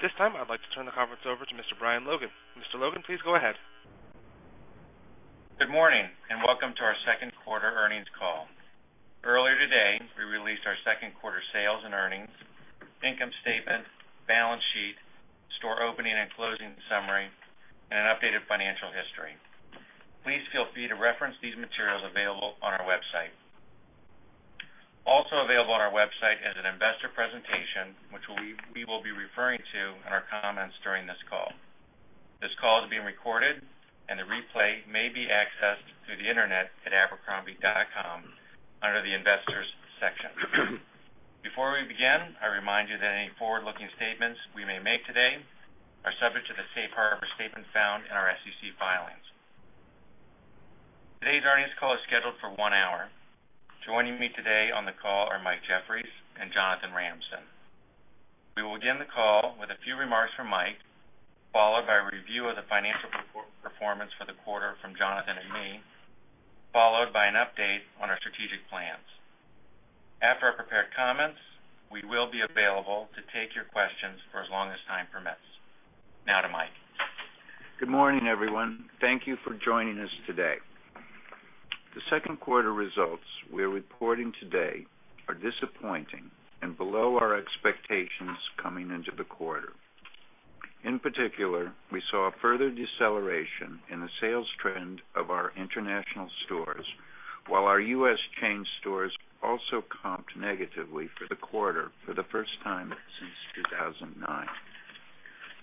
At this time, I'd like to turn the conference over to Mr. Brian Logan. Mr. Logan, please go ahead. Good morning. Welcome to our second quarter earnings call. Earlier today, we released our second quarter sales and earnings, income statement, balance sheet, store opening and closing summary, and an updated financial history. Please feel free to reference these materials available on our website. Also available on our website is an investor presentation, which we will be referring to in our comments during this call. This call is being recorded, and the replay may be accessed through the Internet at abercrombie.com under the Investors section. Before we begin, I remind you that any forward-looking statements we may make today are subject to the safe harbor statement found in our SEC filings. Today's earnings call is scheduled for one hour. Joining me today on the call are Mike Jeffries and Jonathan Ramsden. We will begin the call with a few remarks from Mike, followed by a review of the financial performance for the quarter from Jonathan and me, followed by an update on our strategic plans. After our prepared comments, we will be available to take your questions for as long as time permits. Now to Mike. Good morning, everyone. Thank you for joining us today. The second quarter results we're reporting today are disappointing and below our expectations coming into the quarter. In particular, we saw a further deceleration in the sales trend of our international stores, while our U.S. chain stores also comped negatively for the quarter for the first time since 2009.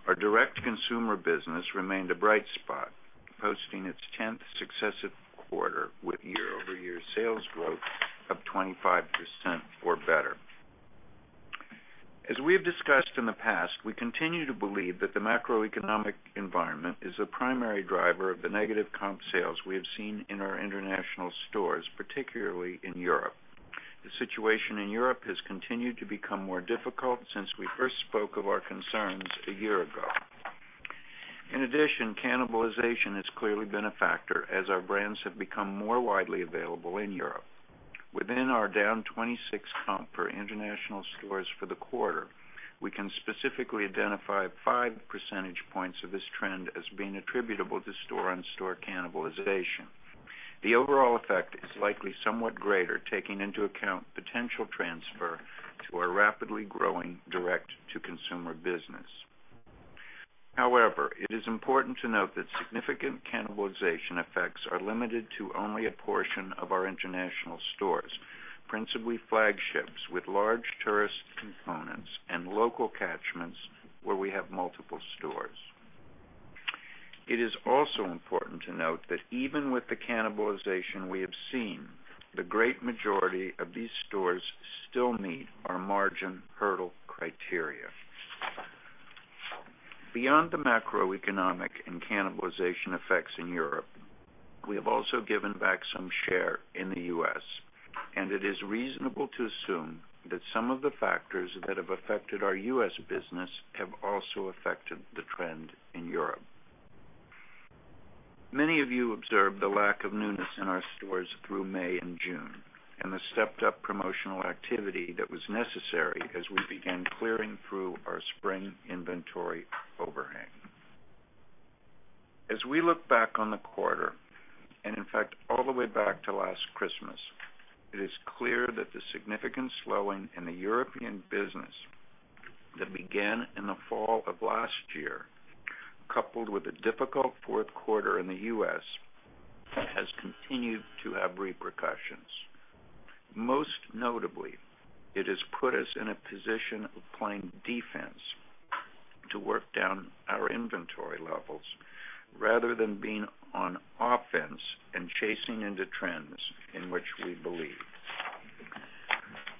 Our direct-to-consumer business remained a bright spot, posting its tenth successive quarter with year-over-year sales growth of 25% or better. As we have discussed in the past, we continue to believe that the macroeconomic environment is a primary driver of the negative comp sales we have seen in our international stores, particularly in Europe. The situation in Europe has continued to become more difficult since we first spoke of our concerns a year ago. In addition, cannibalization has clearly been a factor as our brands have become more widely available in Europe. Within our down 26 comp our international stores for the quarter, we can specifically identify five percentage points of this trend as being attributable to store-on-store cannibalization. The overall effect is likely somewhat greater, taking into account potential transfer to our rapidly growing direct-to-consumer business. However, it is important to note that significant cannibalization effects are limited to only a portion of our international stores, principally flagships with large tourist components and local catchments where we have multiple stores. It is also important to note that even with the cannibalization we have seen, the great majority of these stores still meet our margin hurdle criteria. Beyond the macroeconomic and cannibalization effects in Europe, we have also given back some share in the U.S., and it is reasonable to assume that some of the factors that have affected our U.S. business have also affected the trend in Europe. Many of you observed the lack of newness in our stores through May and June and the stepped-up promotional activity that was necessary as we began clearing through our spring inventory overhang. As we look back on the quarter, in fact all the way back to last Christmas, it is clear that the significant slowing in the European business that began in the fall of last year, coupled with a difficult fourth quarter in the U.S., has continued to have repercussions. Most notably, it has put us in a position of playing defense to work down our inventory levels rather than being on offense and chasing into trends in which we believe.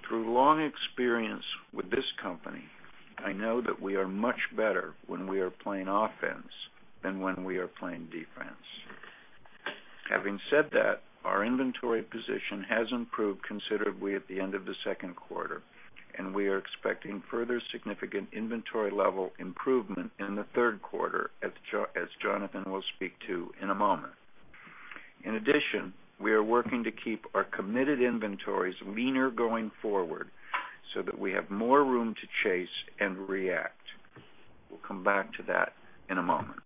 Through long experience with this company, I know that we are much better when we are playing offense than when we are playing defense. Having said that, our inventory position has improved considerably at the end of the second quarter, and we are expecting further significant inventory level improvement in the third quarter, as Jonathan will speak to in a moment. In addition, we are working to keep our committed inventories leaner going forward so that we have more room to chase and react. We'll come back to that in a moment.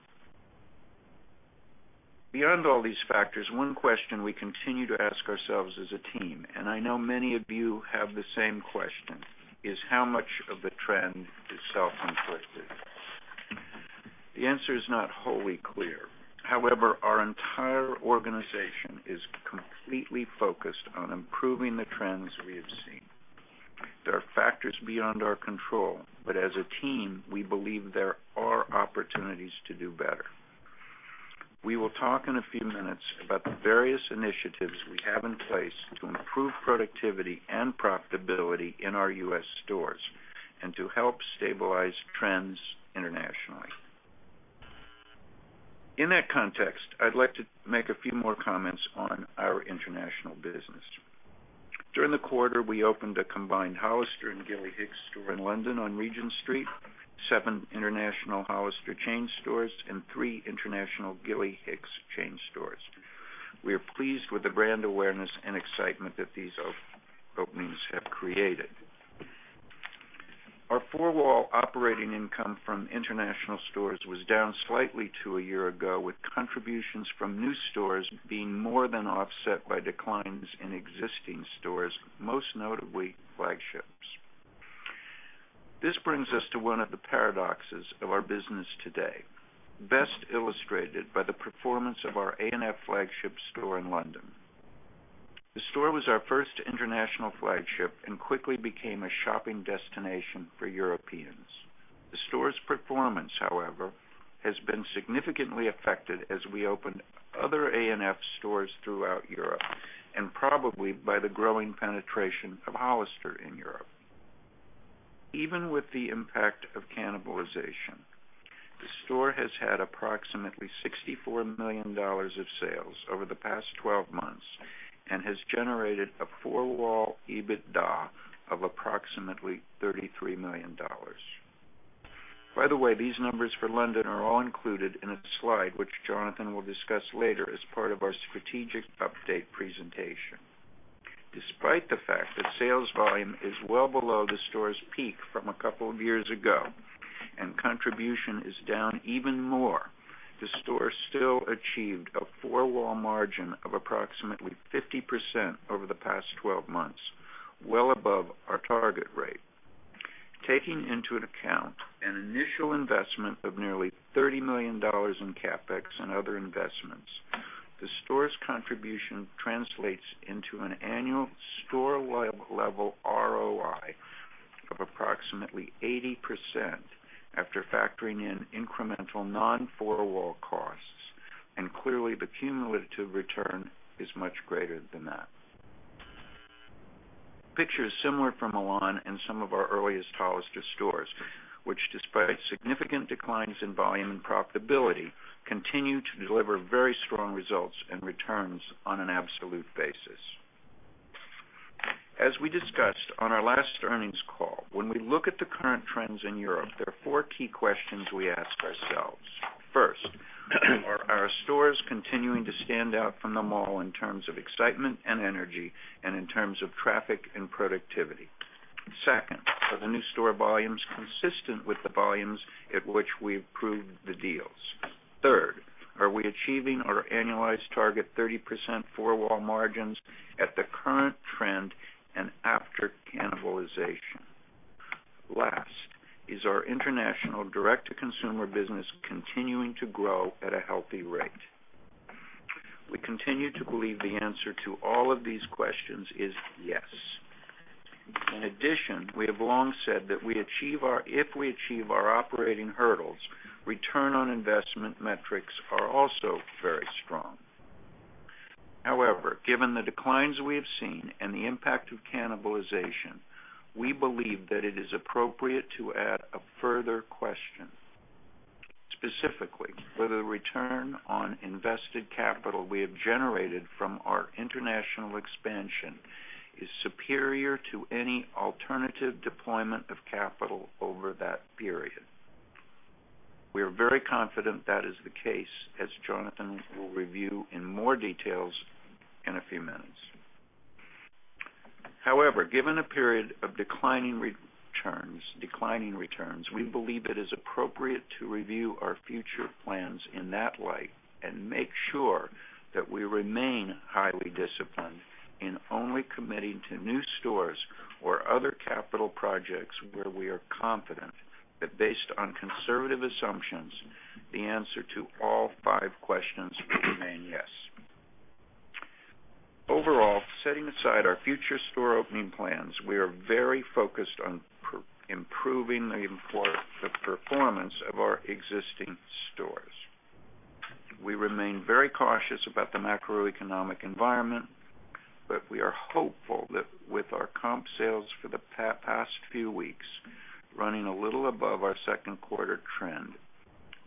Beyond all these factors, one question we continue to ask ourselves as a team, and I know many of you have the same question, is how much of the trend is self-inflicted? The answer is not wholly clear. However, our entire organization is completely focused on improving the trends we have seen. There are factors beyond our control, but as a team, we believe there are opportunities to do better. We will talk in a few minutes about the various initiatives we have in place to improve productivity and profitability in our U.S. stores and to help stabilize trends internationally. In that context, I'd like to make a few more comments on our international business. During the quarter, we opened a combined Hollister and Gilly Hicks store in London on Regent Street, seven international Hollister chain stores, and three international Gilly Hicks chain stores. We are pleased with the brand awareness and excitement that these openings have created. Our four-wall operating income from international stores was down slightly to a year ago, with contributions from new stores being more than offset by declines in existing stores, most notably flagships. This brings us to one of the paradoxes of our business today, best illustrated by the performance of our A&F flagship store in London. The store was our first international flagship and quickly became a shopping destination for Europeans. The store's performance, however, has been significantly affected as we opened other A&F stores throughout Europe, and probably by the growing penetration of Hollister in Europe. Even with the impact of cannibalization, the store has had approximately $64 million of sales over the past 12 months and has generated a four-wall EBITDA of approximately $33 million. By the way, these numbers for London are all included in a slide, which Jonathan will discuss later as part of our strategic update presentation. Despite the fact that sales volume is well below the store's peak from a couple of years ago, and contribution is down even more, the store still achieved a four-wall margin of approximately 50% over the past 12 months, well above our target rate. Taking into account an initial investment of nearly $30 million in CapEx and other investments, the store's contribution translates into an annual store-level ROI of approximately 80% after factoring in incremental non-four-wall costs, and clearly the cumulative return is much greater than that. The picture is similar for Milan and some of our earliest Hollister stores, which despite significant declines in volume and profitability, continue to deliver very strong results and returns on an absolute basis. As we discussed on our last earnings call, when we look at the current trends in Europe, there are four key questions we ask ourselves. First, are our stores continuing to stand out from the mall in terms of excitement and energy, and in terms of traffic and productivity? Second, are the new store volumes consistent with the volumes at which we approved the deals? Third, are we achieving our annualized target 30% four-wall margins at the current trend and after cannibalization? Last, is our international direct-to-consumer business continuing to grow at a healthy rate? We continue to believe the answer to all of these questions is yes. We have long said that if we achieve our operating hurdles, return on investment metrics are also very strong. Given the declines we have seen and the impact of cannibalization, we believe that it is appropriate to add a further question. Specifically, whether the return on invested capital we have generated from our international expansion is superior to any alternative deployment of capital over that period. We are very confident that is the case, as Jonathan will review in more details in a few minutes. Given a period of declining returns, we believe it is appropriate to review our future plans in that light and make sure that we remain highly disciplined in only committing to new stores or other capital projects where we are confident that based on conservative assumptions, the answer to all five questions will remain yes. Setting aside our future store opening plans, we are very focused on improving the performance of our existing stores. We remain very cautious about the macroeconomic environment, but we are hopeful that with our comp sales for the past few weeks running a little above our second quarter trend,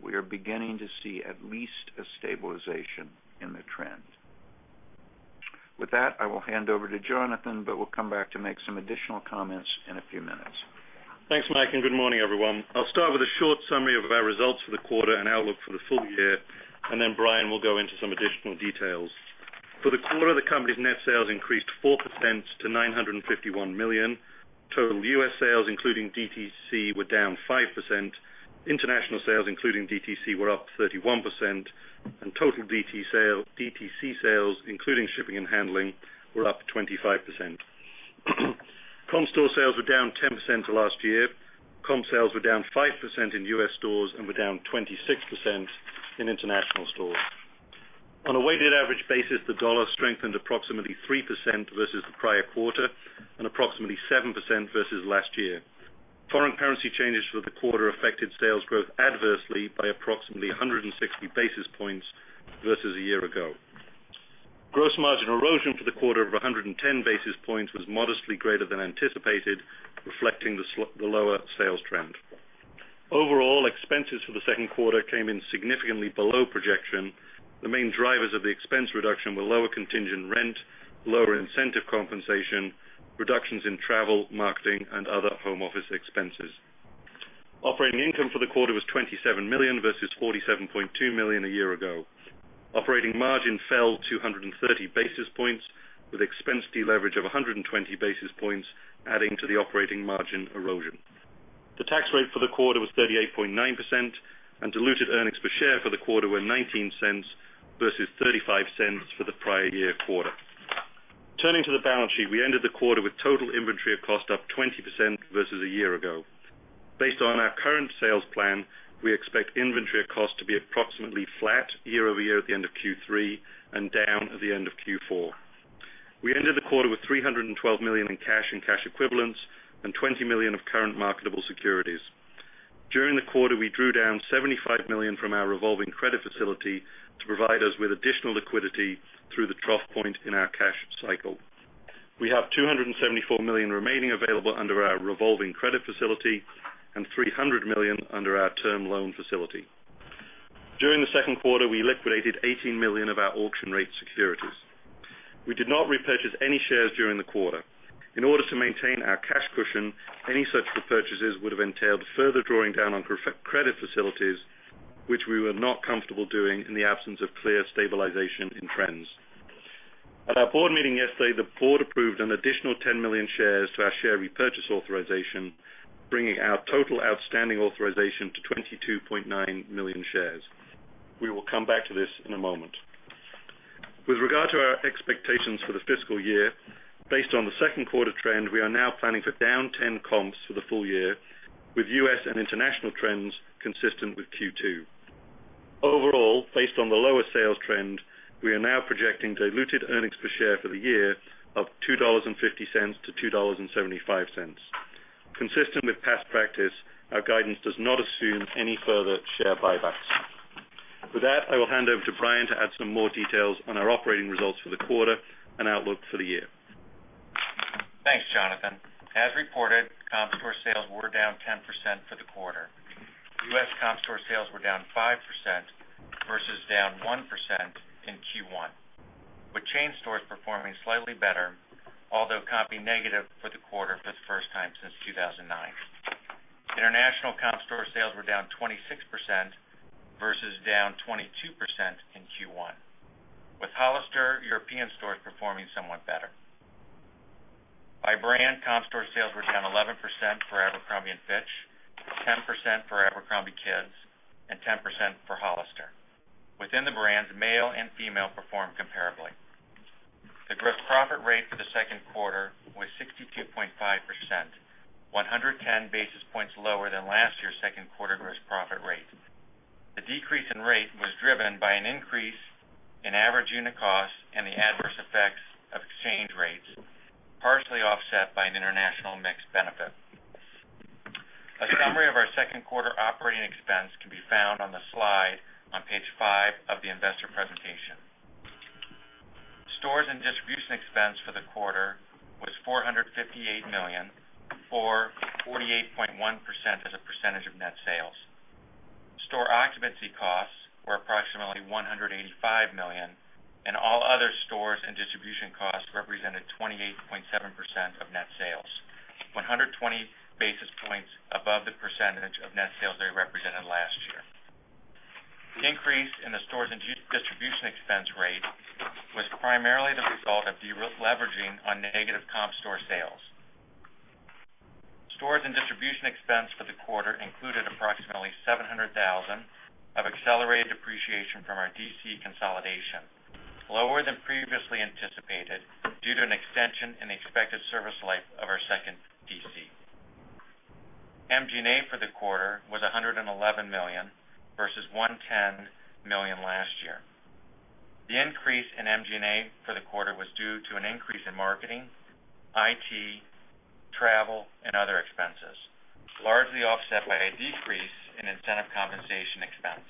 we are beginning to see at least a stabilization in the trend. I will hand over to Jonathan, but we'll come back to make some additional comments in a few minutes. Thanks, Mike. Good morning, everyone. I'll start with a short summary of our results for the quarter and outlook for the full year. Then Brian will go into some additional details. For the quarter, the company's net sales increased 4% to $951 million. Total U.S. sales, including DTC, were down 5%. International sales, including DTC, were up 31%, and total DTC sales, including shipping and handling, were up 25%. Comp store sales were down 10% to last year. Comp sales were down 5% in U.S. stores and were down 26% in international stores. On a weighted average basis, the dollar strengthened approximately 3% versus the prior quarter and approximately 7% versus last year. Foreign currency changes for the quarter affected sales growth adversely by approximately 160 basis points versus a year ago. Gross margin erosion for the quarter of 110 basis points was modestly greater than anticipated, reflecting the lower sales trend. Overall, expenses for the second quarter came in significantly below projection. The main drivers of the expense reduction were lower contingent rent, lower incentive compensation, reductions in travel, marketing, and other home office expenses. Operating income for the quarter was $27 million versus $47.2 million a year ago. Operating margin fell 230 basis points with expense deleverage of 120 basis points adding to the operating margin erosion. The tax rate for the quarter was 38.9%, and diluted earnings per share for the quarter were $0.19 versus $0.35 for the prior year quarter. Turning to the balance sheet, we ended the quarter with total inventory of cost up 20% versus a year ago. Based on our current sales plan, we expect inventory of cost to be approximately flat year-over-year at the end of Q3 and down at the end of Q4. We ended the quarter with $312 million in cash and cash equivalents and $20 million of current marketable securities. During the quarter, we drew down $75 million from our revolving credit facility to provide us with additional liquidity through the trough point in our cash cycle. We have $274 million remaining available under our revolving credit facility and $300 million under our term loan facility. During the second quarter, we liquidated $18 million of our auction-rate securities. We did not repurchase any shares during the quarter. In order to maintain our cash cushion, any such repurchases would have entailed further drawing down on credit facilities, which we were not comfortable doing in the absence of clear stabilization in trends. At our board meeting yesterday, the board approved an additional 10 million shares to our share repurchase authorization, bringing our total outstanding authorization to 22.9 million shares. We will come back to this in a moment. With regard to our expectations for the fiscal year, based on the second quarter trend, we are now planning for down 10 comps for the full year, with U.S. and international trends consistent with Q2. Overall, based on the lower sales trend, we are now projecting diluted earnings per share for the year of $2.50-$2.75. Consistent with past practice, our guidance does not assume any further share buybacks. With that, I will hand over to Brian to add some more details on our operating results for the quarter and outlook for the year. Thanks, Jonathan. As reported, comp store sales were down 10% for the quarter. U.S. comp store sales were down 5% versus down 1% in Q1, with chain stores performing slightly better, although comping negative for the quarter for the first time since 2009. International comp store sales were down 26% versus down 22% in Q1, with Hollister European stores performing somewhat better. By brand, comp store sales were down 11% for Abercrombie & Fitch, 10% for abercrombie kids, and 10% for Hollister. Within the brands, male and female performed comparably. The gross profit rate for the second quarter was 62.5%, 110 basis points lower than last year's second quarter gross profit rate. The decrease in rate was driven by an increase in average unit costs and the adverse effects of exchange rates, partially offset by an international mix benefit. A summary of our second quarter operating expense can be found on the slide on page five of the investor presentation. Stores and distribution expense for the quarter was $458 million, or 48.1% as a percentage of net sales. Store occupancy costs were approximately $185 million, and all other stores and distribution costs represented 28.7% of net sales, 120 basis points above the percentage of net sales they represented last year. The increase in the stores and distribution expense rate was primarily the result of deleveraging on negative comp store sales. Stores and distribution expense for the quarter included approximately $700,000 of accelerated depreciation from our DC consolidation, lower than previously anticipated due to an extension in the expected service life of our second DC. MG&A for the quarter was $111 million versus $110 million last year. The increase in MG&A for the quarter was due to an increase in marketing, IT, travel, and other expenses, largely offset by a decrease in incentive compensation expense.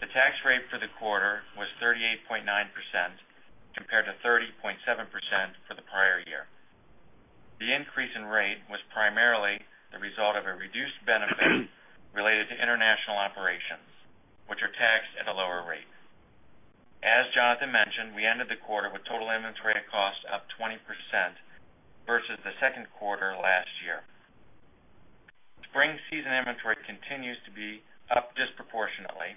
The tax rate for the quarter was 38.9%, compared to 30.7% for the prior year. The increase in rate was primarily the result of a reduced benefit related to international operations, which are taxed at a lower rate. As Jonathan mentioned, we ended the quarter with total inventory costs up 20% versus the second quarter last year. Spring season inventory continues to be up disproportionately,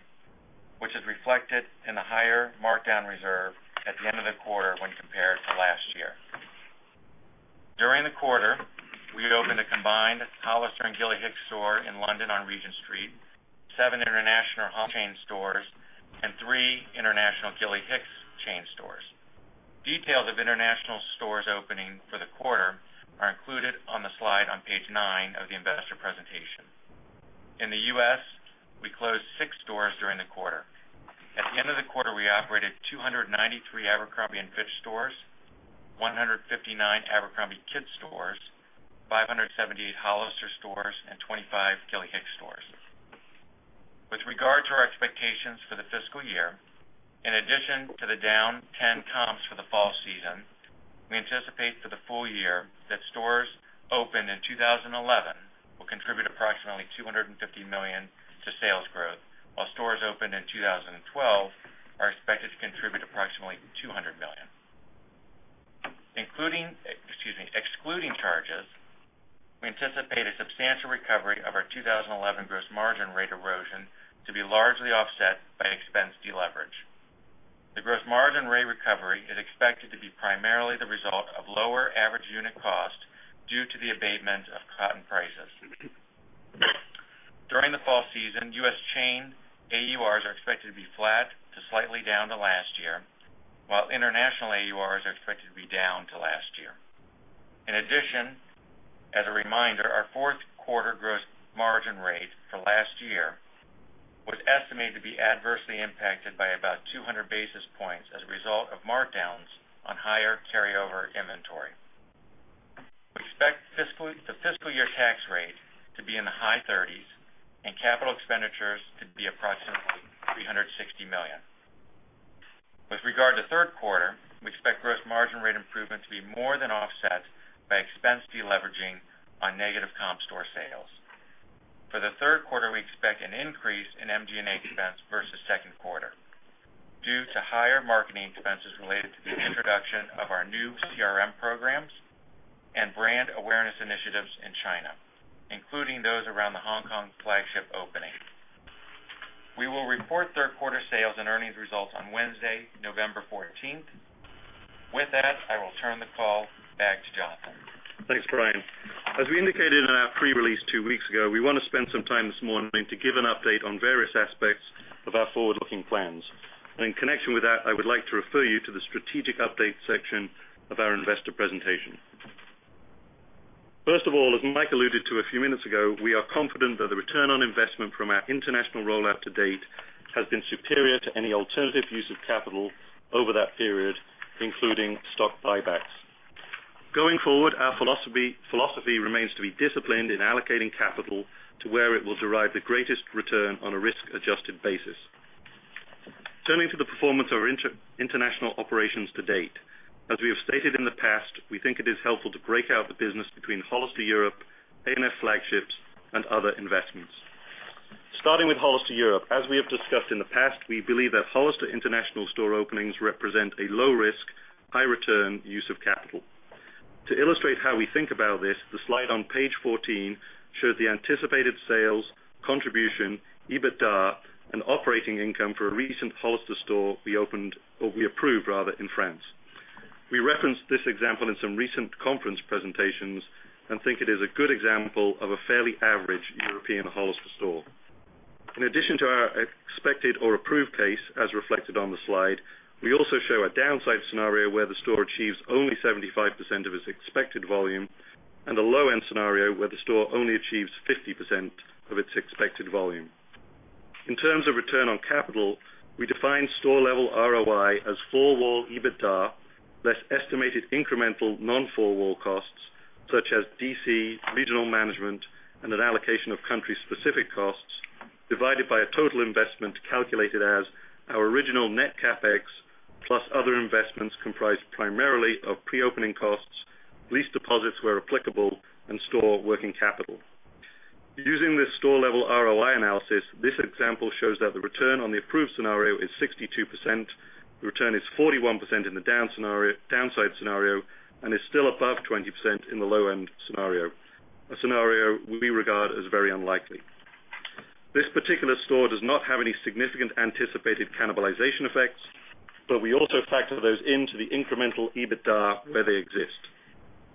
which is reflected in the higher markdown reserve at the end of the quarter when compared to last year. During the quarter, we opened a combined Hollister and Gilly Hicks store in London on Regent Street, seven international Hollister chain stores, and three international Gilly Hicks chain stores. Details of international stores opening for the quarter are included on the slide on page nine of the investor presentation. In the U.S., we closed six stores during the quarter. At the end of the quarter, we operated 293 Abercrombie & Fitch stores, 159 abercrombie kids stores, 578 Hollister stores, and 25 Gilly Hicks stores. With regard to our expectations for the fiscal year, in addition to the down 10 comps for the fall season, we anticipate for the full year that stores opened in 2011 will contribute approximately $250 million to sales growth, while stores opened in 2012 are expected to contribute approximately $200 million. Excuse me. Excluding charges, we anticipate a substantial recovery of our 2011 gross margin rate erosion to be largely offset by expense deleverage. The gross margin rate recovery is expected to be primarily the result of lower average unit cost due to the abatement of cotton prices. During the fall season, U.S. chain AURs are expected to be flat to slightly down to last year, while international AURs are expected to be down to last year. In addition, as a reminder, our fourth quarter gross margin rate for last year was estimated to be adversely impacted by about 200 basis points as a result of markdowns on higher carryover inventory. We expect the fiscal year tax rate to be in the high 30s, and capital expenditures to be approximately $360 million. With regard to third quarter, we expect gross margin rate improvement to be more than offset by expense deleveraging on negative comp store sales. For the third quarter, we expect an increase in MG&A expense versus second quarter due to higher marketing expenses related to the introduction of our new CRM programs and brand awareness initiatives in China, including those around the Hong Kong flagship opening. We will report third-quarter sales and earnings results on Wednesday, November 14th. With that, I will turn the call back to Jonathan. Thanks, Brian. As we indicated on our pre-release two weeks ago, we want to spend some time this morning to give an update on various aspects of our forward-looking plans. In connection with that, I would like to refer you to the strategic update section of our investor presentation. First of all, as Mike alluded to a few minutes ago, we are confident that the return on investment from our international rollout to date has been superior to any alternative use of capital over that period, including stock buybacks. Going forward, our philosophy remains to be disciplined in allocating capital to where it will derive the greatest return on a risk-adjusted basis. Turning to the performance of our international operations to date. As we have stated in the past, we think it is helpful to break out the business between Hollister Europe, ANF flagships, and other investments. Starting with Hollister Europe, as we have discussed in the past, we believe that Hollister international store openings represent a low-risk, high-return use of capital. To illustrate how we think about this, the slide on page 14 shows the anticipated sales contribution, EBITDA, and operating income for a recent Hollister store we opened, or we approved rather, in France. We referenced this example in some recent conference presentations and think it is a good example of a fairly average European Hollister store. In addition to our expected or approved case as reflected on the slide, we also show a downside scenario where the store achieves only 75% of its expected volume, and a low-end scenario where the store only achieves 50% of its expected volume. In terms of return on capital, we define store-level ROI as four-wall EBITDA, less estimated incremental non-four-wall costs such as DC, regional management, and an allocation of country-specific costs, divided by a total investment calculated as our original net CapEx, plus other investments comprised primarily of pre-opening costs, lease deposits where applicable, and store working capital. Using this store-level ROI analysis, this example shows that the return on the approved scenario is 62%, the return is 41% in the downside scenario, and is still above 20% in the low-end scenario. A scenario we regard as very unlikely. This particular store does not have any significant anticipated cannibalization effects, but we also factor those into the incremental EBITDA where they exist.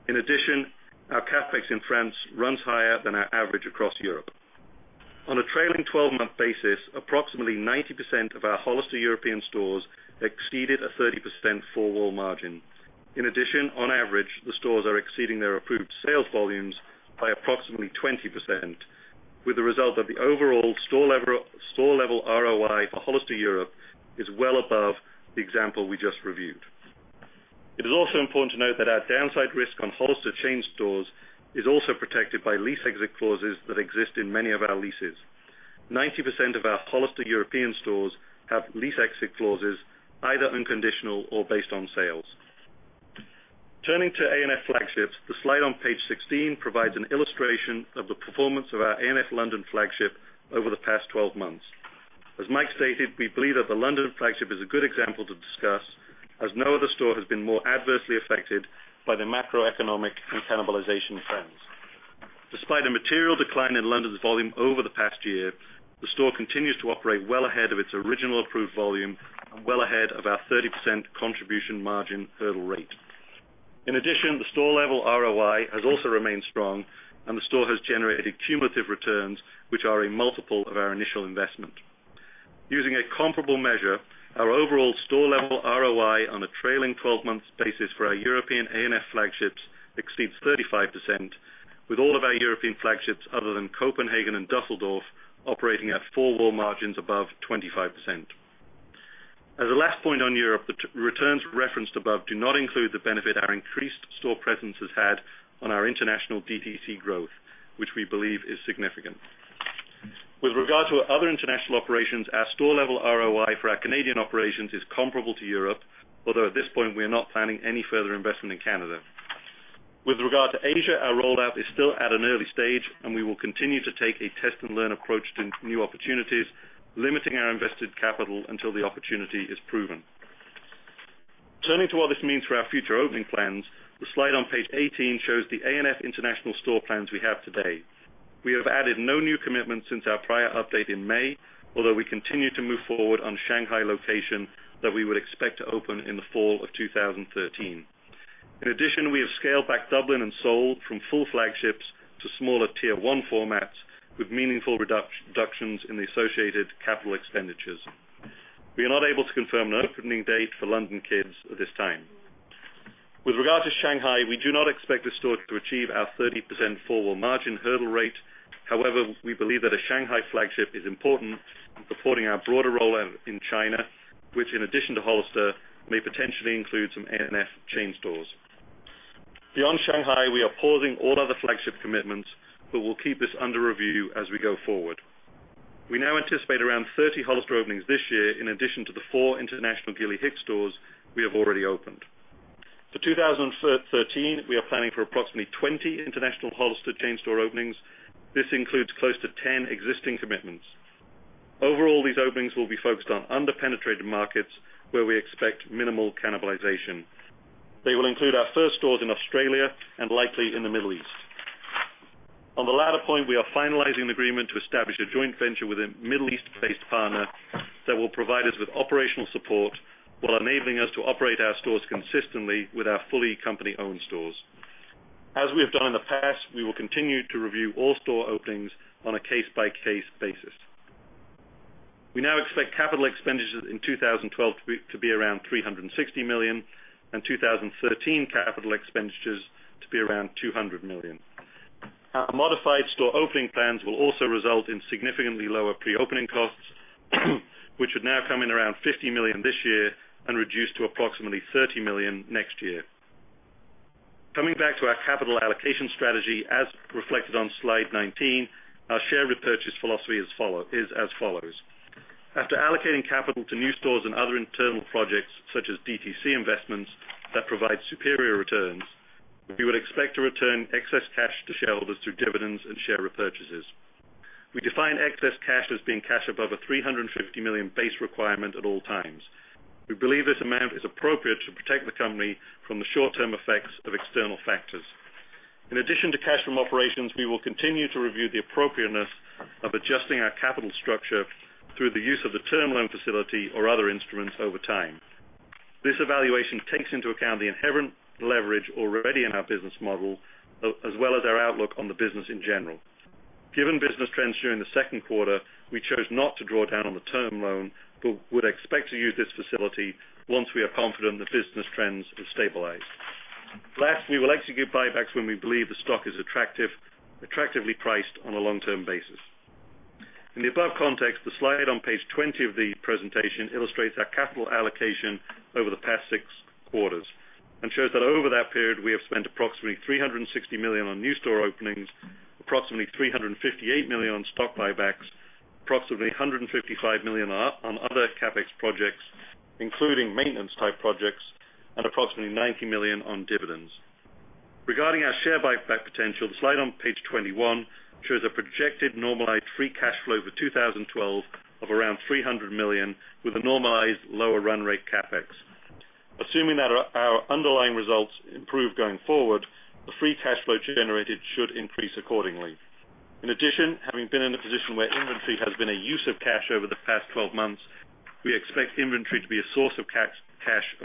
In addition, our CapEx in France runs higher than our average across Europe. On a trailing 12-month basis, approximately 90% of our Hollister European stores exceeded a 30% four-wall margin. In addition, on average, the stores are exceeding their approved sales volumes by approximately 20%, with the result that the overall store-level ROI for Hollister Europe is well above the example we just reviewed. It is also important to note that our downside risk on Hollister chain stores is also protected by lease exit clauses that exist in many of our leases. 90% of our Hollister European stores have lease exit clauses either unconditional or based on sales. Turning to ANF flagships, the slide on page 16 provides an illustration of the performance of our ANF London flagship over the past 12 months. As Mike stated, we believe that the London flagship is a good example to discuss, as no other store has been more adversely affected by the macroeconomic and cannibalization trends. Despite a material decline in London's volume over the past year, the store continues to operate well ahead of its original approved volume and well ahead of our 30% contribution margin hurdle rate. In addition, the store-level ROI has also remained strong, and the store has generated cumulative returns which are a multiple of our initial investment. Using a comparable measure, our overall store-level ROI on a trailing 12-month basis for our European ANF flagships exceeds 35%, with all of our European flagships other than Copenhagen and Düsseldorf operating at four-wall margins above 25%. As a last point on Europe, the returns referenced above do not include the benefit our increased store presence has had on our international DTC growth, which we believe is significant. With regard to our other international operations, our store-level ROI for our Canadian operations is comparable to Europe, although at this point, we are not planning any further investment in Canada. With regard to Asia, our rollout is still at an early stage. We will continue to take a test-and-learn approach to new opportunities, limiting our invested capital until the opportunity is proven. Turning to what this means for our future opening plans, the slide on page 18 shows the ANF international store plans we have today. We have added no new commitments since our prior update in May, although we continue to move forward on the Shanghai location that we would expect to open in the fall of 2013. In addition, we have scaled back Dublin and Seoul from full flagships to smaller tier 1 formats with meaningful reductions in the associated capital expenditures. We are not able to confirm an opening date for abercrombie kids at this time. With regard to Shanghai, we do not expect the store to achieve our 30% four-wall margin hurdle rate. However, we believe that a Shanghai flagship is important in supporting our broader role in China, which, in addition to Hollister, may potentially include some ANF chain stores. Beyond Shanghai, we are pausing all other flagship commitments, but we'll keep this under review as we go forward. We now anticipate around 30 Hollister openings this year, in addition to the four international Gilly Hicks stores we have already opened. For 2013, we are planning for approximately 20 international Hollister chain store openings. This includes close to 10 existing commitments. Overall, these openings will be focused on under-penetrated markets where we expect minimal cannibalization. They will include our first stores in Australia and likely in the Middle East. On the latter point, we are finalizing an agreement to establish a joint venture with a Middle East-based partner that will provide us with operational support while enabling us to operate our stores consistently with our fully company-owned stores. As we have done in the past, we will continue to review all store openings on a case-by-case basis. We now expect capital expenditures in 2012 to be around $360 million, and 2013 capital expenditures to be around $200 million. Our modified store opening plans will also result in significantly lower pre-opening costs, which would now come in around $50 million this year and reduce to approximately $30 million next year. Coming back to our capital allocation strategy, as reflected on slide 19, our share repurchase philosophy is as follows. After allocating capital to new stores and other internal projects such as DTC investments that provide superior returns, we would expect to return excess cash to shareholders through dividends and share repurchases. We define excess cash as being cash above a $350 million base requirement at all times. We believe this amount is appropriate to protect the company from the short-term effects of external factors. In addition to cash from operations, we will continue to review the appropriateness of adjusting our capital structure through the use of the term loan facility or other instruments over time. This evaluation takes into account the inherent leverage already in our business model, as well as our outlook on the business in general. Given business trends during the second quarter, we chose not to draw down on the term loan, but would expect to use this facility once we are confident the business trends have stabilized. Last, we will execute buybacks when we believe the stock is attractively priced on a long-term basis. In the above context, the slide on page 20 of the presentation illustrates our capital allocation over the past six quarters and shows that over that period, we have spent approximately $360 million on new store openings, approximately $358 million on stock buybacks, approximately $155 million on other CapEx projects, including maintenance type projects, and approximately $90 million on dividends. Regarding our share buyback potential, the slide on page 21 shows a projected normalized free cash flow for 2012 of around $300 million, with a normalized lower run rate CapEx. Assuming that our underlying results improve going forward, the free cash flow generated should increase accordingly. In addition, having been in a position where inventory has been a use of cash over the past 12 months, we expect inventory to be a source of cash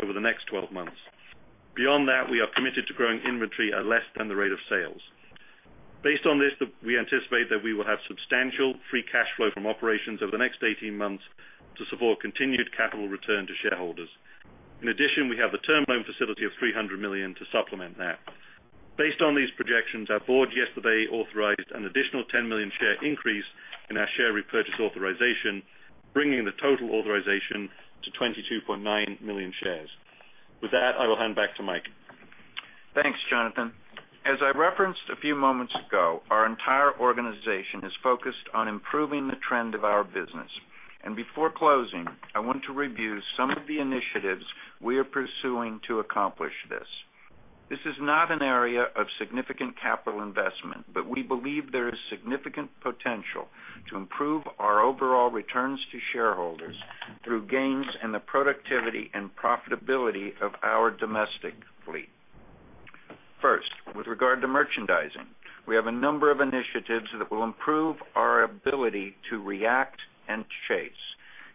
over the next 12 months. Beyond that, we are committed to growing inventory at less than the rate of sales. Based on this, we anticipate that we will have substantial free cash flow from operations over the next 18 months to support continued capital return to shareholders. In addition, we have the term loan facility of $300 million to supplement that. Based on these projections, our board yesterday authorized an additional 10 million share increase in our share repurchase authorization, bringing the total authorization to 22.9 million shares. With that, I will hand back to Mike. Thanks, Jonathan. As I referenced a few moments ago, our entire organization is focused on improving the trend of our business. Before closing, I want to review some of the initiatives we are pursuing to accomplish this. This is not an area of significant capital investment, but we believe there is significant potential to improve our overall returns to shareholders through gains in the productivity and profitability of our domestic fleet. First, with regard to merchandising, we have a number of initiatives that will improve our ability to react and chase.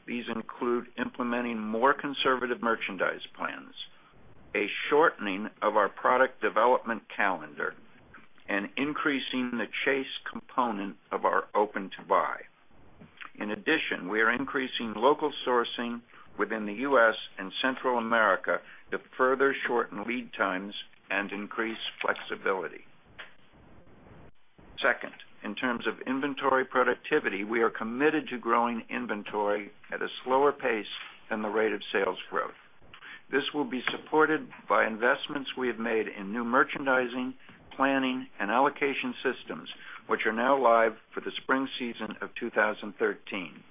These include implementing more conservative merchandise plans, a shortening of our product development calendar, and increasing the chase component of our open-to-buy. In addition, we are increasing local sourcing within the U.S. and Central America to further shorten lead times and increase flexibility. Second, in terms of inventory productivity, we are committed to growing inventory at a slower pace than the rate of sales growth. This will be supported by investments we have made in new merchandising, planning, and allocation systems, which are now live for the spring season of 2013.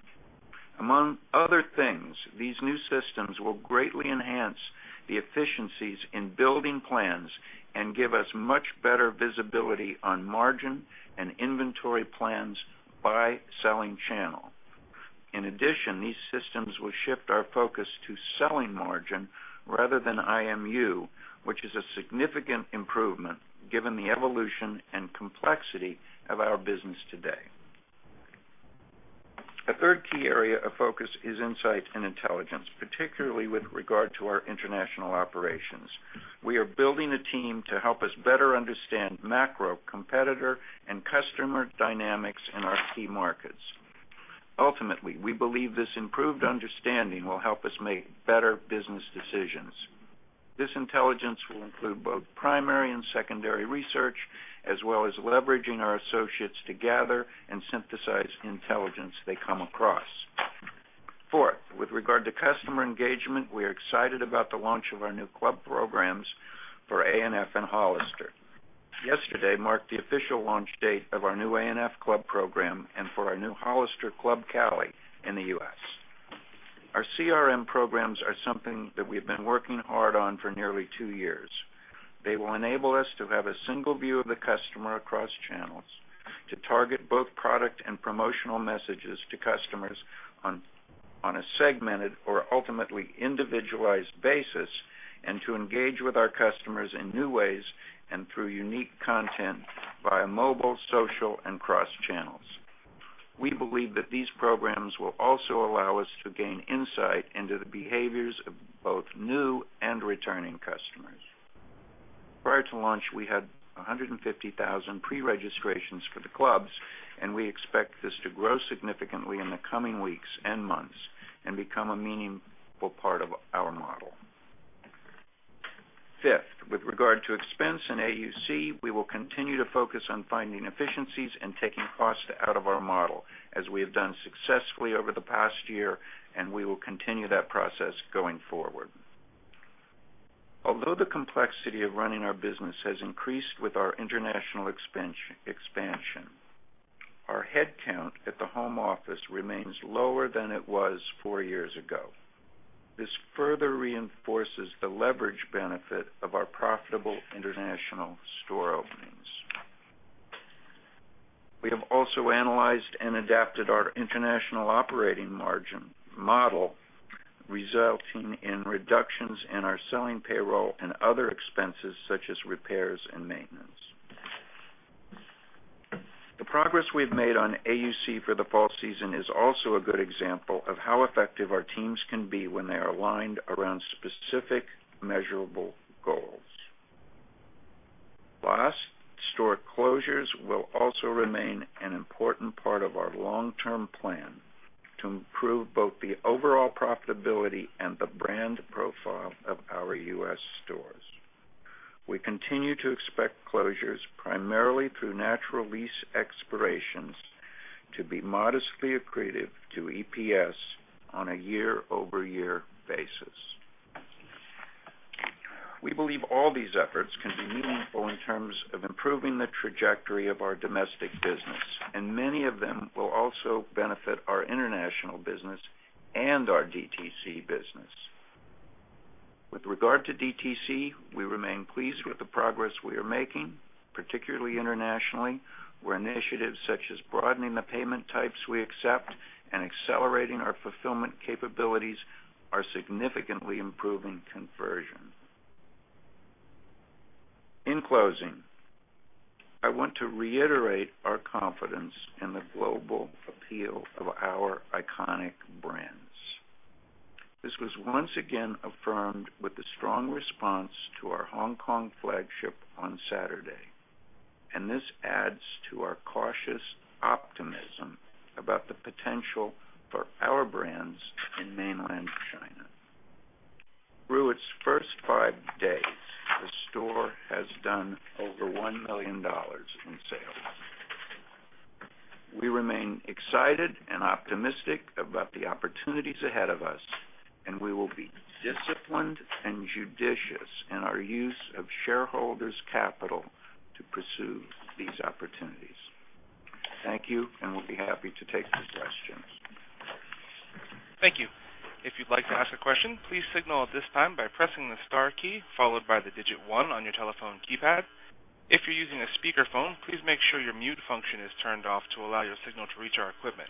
Among other things, these new systems will greatly enhance the efficiencies in building plans and give us much better visibility on margin and inventory plans by selling channel. In addition, these systems will shift our focus to selling margin rather than IMU, which is a significant improvement given the evolution and complexity of our business today. A third key area of focus is insight and intelligence, particularly with regard to our international operations. We are building a team to help us better understand macro, competitor, and customer dynamics in our key markets. Ultimately, we believe this improved understanding will help us make better business decisions. This intelligence will include both primary and secondary research, as well as leveraging our associates to gather and synthesize intelligence they come across. Fourth, with regard to customer engagement, we are excited about the launch of our new club programs for ANF and Hollister. Yesterday marked the official launch date of our new A&F Club program and for our new Hollister Club Cali in the U.S. Our CRM programs are something that we've been working hard on for nearly two years. They will enable us to have a single view of the customer across channels, to target both product and promotional messages to customers on a segmented or ultimately individualized basis, and to engage with our customers in new ways and through unique content via mobile, social, and cross channels. We believe that these programs will also allow us to gain insight into the behaviors of both new and returning customers. Prior to launch, we had 150,000 pre-registrations for the clubs, and we expect this to grow significantly in the coming weeks and months and become a meaningful part of our model. Fifth, with regard to expense and AUC, we will continue to focus on finding efficiencies and taking cost out of our model, as we have done successfully over the past year, and we will continue that process going forward. Although the complexity of running our business has increased with our international expansion, our headcount at the home office remains lower than it was four years ago. This further reinforces the leverage benefit of our profitable international store openings. We have also analyzed and adapted our international operating margin model, resulting in reductions in our selling payroll and other expenses such as repairs and maintenance. The progress we've made on AUC for the fall season is also a good example of how effective our teams can be when they are aligned around specific measurable goals. Last, store closures will also remain an important part of our long-term plan to improve both the overall profitability and the brand profile of our U.S. stores. We continue to expect closures primarily through natural lease expirations to be modestly accretive to EPS on a year-over-year basis. We believe all these efforts can be meaningful in terms of improving the trajectory of our domestic business, and many of them will also benefit our international business and our DTC business. With regard to DTC, we remain pleased with the progress we are making, particularly internationally, where initiatives such as broadening the payment types we accept and accelerating our fulfillment capabilities are significantly improving conversion. In closing, I want to reiterate our confidence in the global appeal of our iconic brands. This was once again affirmed with the strong response to our Hong Kong flagship on Saturday, and this adds to our cautious optimism about the potential for our brands in mainland China. Through its first five days, the store has done over $1 million in sales. We remain excited and optimistic about the opportunities ahead of us, and we will be disciplined and judicious in our use of shareholders' capital to pursue these opportunities. Thank you, and we'll be happy to take the questions. Thank you. If you'd like to ask a question, please signal at this time by pressing the star key followed by the digit 1 on your telephone keypad. If you're using a speakerphone, please make sure your mute function is turned off to allow your signal to reach our equipment.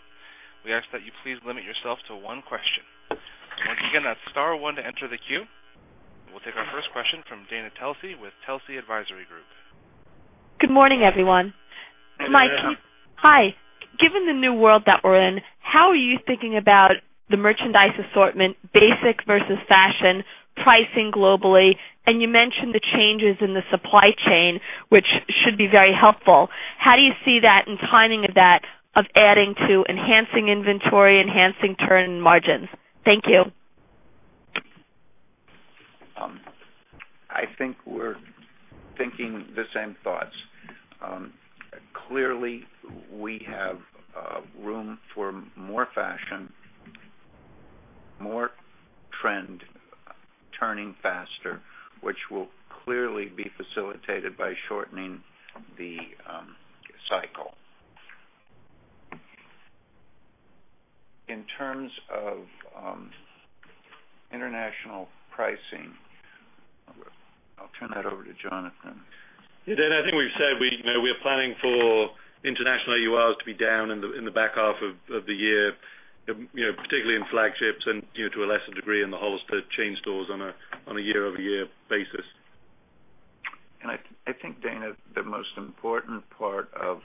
We ask that you please limit yourself to one question. Once again, that's star one to enter the queue. We'll take our first question from Dana Telsey with Telsey Advisory Group. Good morning, everyone. Good morning. Mike, hi. Given the new world that we're in, how are you thinking about the merchandise assortment, basic versus fashion, pricing globally? You mentioned the changes in the supply chain, which should be very helpful. How do you see that and timing of that, of adding to enhancing inventory, enhancing turn margins? Thank you. I think we're thinking the same thoughts. Clearly, we have room for more fashion. More trend turning faster, which will clearly be facilitated by shortening the cycle. In terms of international pricing, I'll turn that over to Jonathan. Yeah, Dana, I think we've said we're planning for international AURs to be down in the back half of the year, particularly in flagships and to a lesser degree in the Hollister chain stores on a year-over-year basis. I think, Dana, the most important part of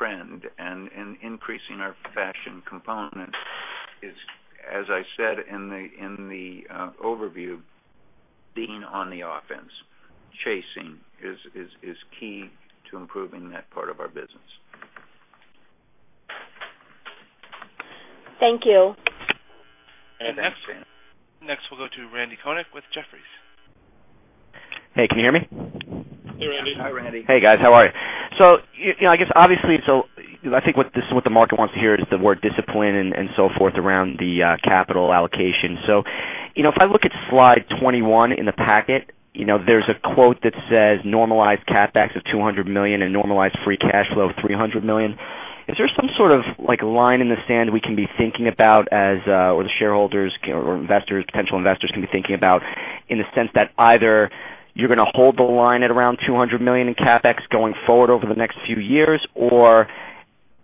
trend and increasing our fashion component is, as I said in the overview, being on the offense. Chasing is key to improving that part of our business. Thank you. Next? Next, we'll go to Randal Konik with Jefferies. Hey, can you hear me? Hey, Randy. Hi, Randy. Hey, guys. How are you? I guess obviously, I think what the market wants to hear is the word discipline and so forth around the capital allocation. If I look at slide 21 in the packet, there's a quote that says normalized CapEx of $200 million and normalized free cash flow of $300 million. Is there some sort of line in the sand we can be thinking about as, or the shareholders or potential investors can be thinking about, in the sense that either you're going to hold the line at around $200 million in CapEx going forward over the next few years? Or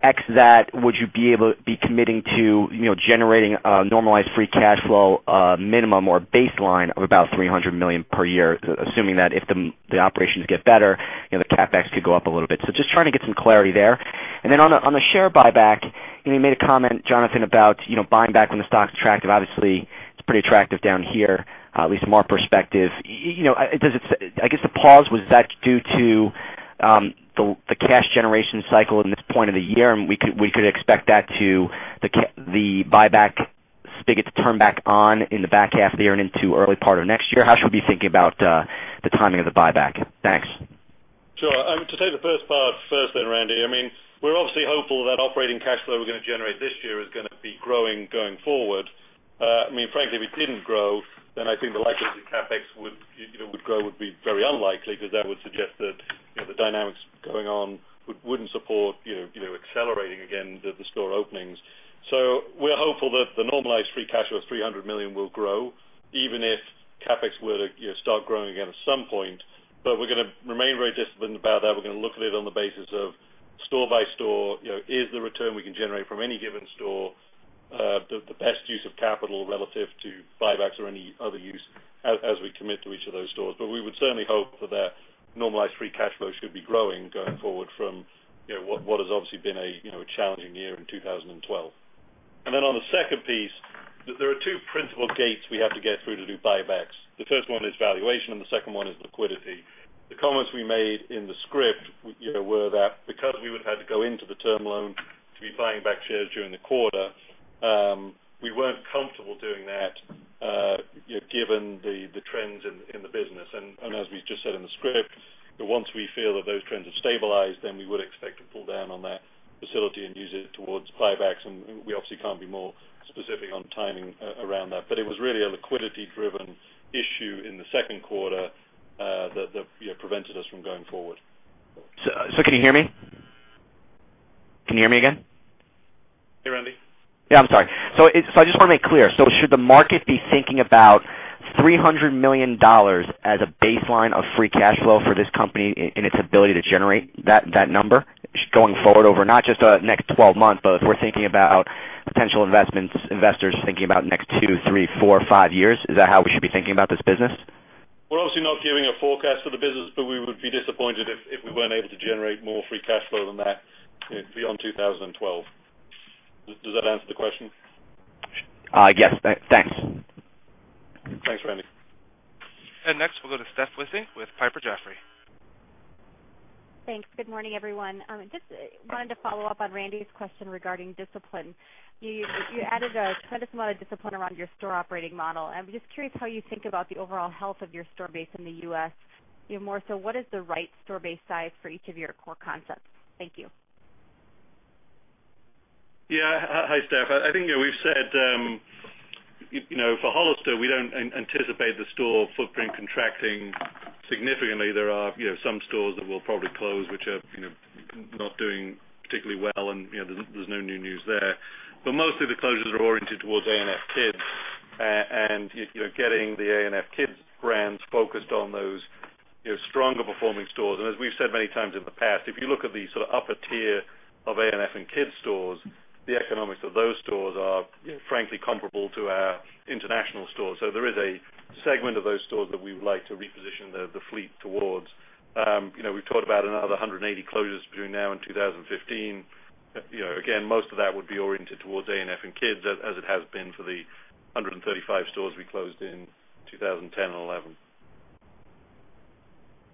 X that, would you be committing to generating a normalized free cash flow, a minimum or baseline of about $300 million per year, assuming that if the operations get better, the CapEx could go up a little bit. Just trying to get some clarity there. On the share buyback, you made a comment, Jonathan, about buying back when the stock's attractive. Obviously, it's pretty attractive down here, at least in my perspective. I guess the pause, was that due to the cash generation cycle in this point of the year, and we could expect the buyback spigot to turn back on in the back half of the year and into early part of next year? How should we be thinking about the timing of the buyback? Thanks. Sure. To take the first part first then, Randy. We're obviously hopeful that operating cash flow we're going to generate this year is going to be growing going forward. Frankly, if it didn't grow, I think the likelihood that CapEx would grow would be very unlikely because that would suggest that the dynamics going on wouldn't support accelerating again the store openings. We're hopeful that the normalized free cash flow of $300 million will grow, even if CapEx were to start growing again at some point. We're going to remain very disciplined about that. We're going to look at it on the basis of store by store. Is the return we can generate from any given store the best use of capital relative to buybacks or any other use as we commit to each of those stores? We would certainly hope that that normalized free cash flow should be growing going forward from what has obviously been a challenging year in 2012. On the second piece, there are two principal gates we have to get through to do buybacks. The first one is valuation, and the second one is liquidity. The comments we made in the script were that because we would have had to go into the term loan to be buying back shares during the quarter, we weren't comfortable doing that given the trends in the business. As we just said in the script, once we feel that those trends have stabilized, then we would expect to pull down on that facility and use it towards buybacks, and we obviously can't be more specific on timing around that. It was really a liquidity-driven issue in the second quarter that prevented us from going forward. Can you hear me? Can you hear me again? Hey, Randy. I'm sorry. I just want to make it clear. Should the market be thinking about $300 million as a baseline of free cash flow for this company in its ability to generate that number going forward over not just the next 12 months, but if we're thinking about potential investors thinking about the next two, three, four, five years? Is that how we should be thinking about this business? We're obviously not giving a forecast for the business, but we would be disappointed if we weren't able to generate more free cash flow than that beyond 2012. Does that answer the question? Yes. Thanks. Thanks, Randy. Next, we'll go to Stephanie Wissink with Piper Jaffray. Thanks. Good morning, everyone. Just wanted to follow up on Randy's question regarding discipline. You added a tremendous amount of discipline around your store operating model. I'm just curious how you think about the overall health of your store base in the U.S. More so, what is the right store base size for each of your core concepts? Thank you. Hi, Steph. I think we've said, for Hollister, we don't anticipate the store footprint contracting significantly. There are some stores that we'll probably close, which are not doing particularly well, and there's no new news there. Mostly the closures are oriented towards abercrombie kids and getting the abercrombie kids brands focused on those stronger-performing stores. As we've said many times in the past, if you look at the upper tier of A&F and Kids stores, the economics of those stores are frankly comparable to our international stores. There is a segment of those stores that we would like to reposition the fleet towards. We've talked about another 180 closures between now and 2015. Again, most of that would be oriented towards A&F and Kids, as it has been for the 135 stores we closed in 2010 and 2011.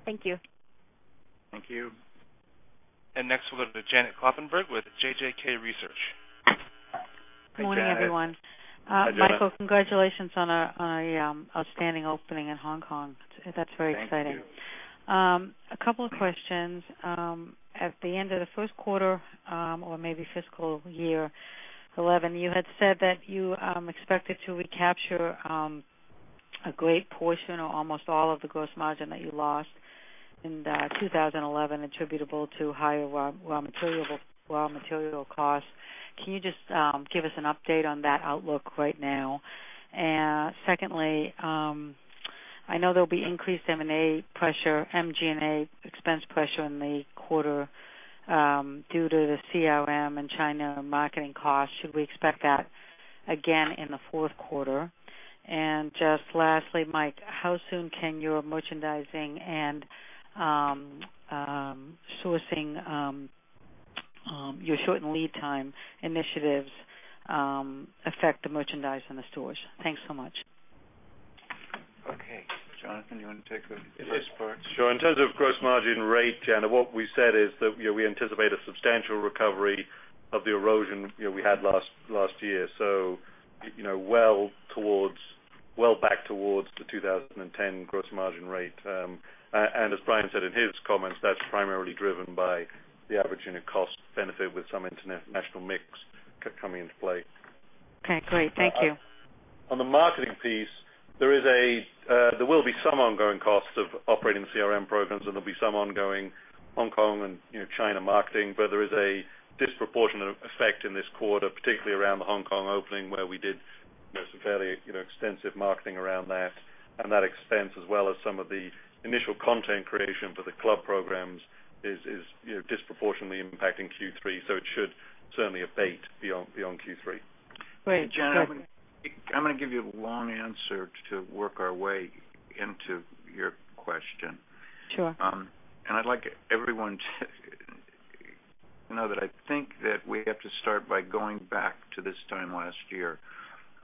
Thank you. Thank you. Next, we'll go to Janet Kloppenburg with JJK Research. Good morning, everyone. Hi, Janet. Mike, congratulations on an outstanding opening in Hong Kong. That's very exciting. A couple of questions. At the end of the first quarter or maybe fiscal year 2011, you had said that you expected to recapture a great portion or almost all of the gross margin that you lost in 2011 attributable to higher raw material costs. Can you just give us an update on that outlook right now? Secondly, I know there'll be increased MG&A expense pressure in the quarter due to the CRM and China marketing costs. Should we expect that again in the fourth quarter? Lastly, Mike, how soon can your merchandising and sourcing, your shortened lead time initiatives affect the merchandise in the stores? Thanks so much. Okay. Jonathan, you want to take the first part? Sure. In terms of gross margin rate, Janet, what we said is that we anticipate a substantial recovery of the erosion we had last year. Well back towards the 2010 gross margin rate. As Brian said in his comments, that's primarily driven by the average unit cost benefit with some international mix coming into play. Okay, great. Thank you. On the marketing piece, there will be some ongoing costs of operating the CRM programs, and there'll be some ongoing Hong Kong and China marketing. There is a disproportionate effect in this quarter, particularly around the Hong Kong opening, where we did some fairly extensive marketing around that. That expense, as well as some of the initial content creation for the club programs, is disproportionately impacting Q3. It should certainly abate beyond Q3. Great. Janet, I'm going to give you a long answer to work our way into your question. Sure. I'd like everyone to know that I think that we have to start by going back to this time last year.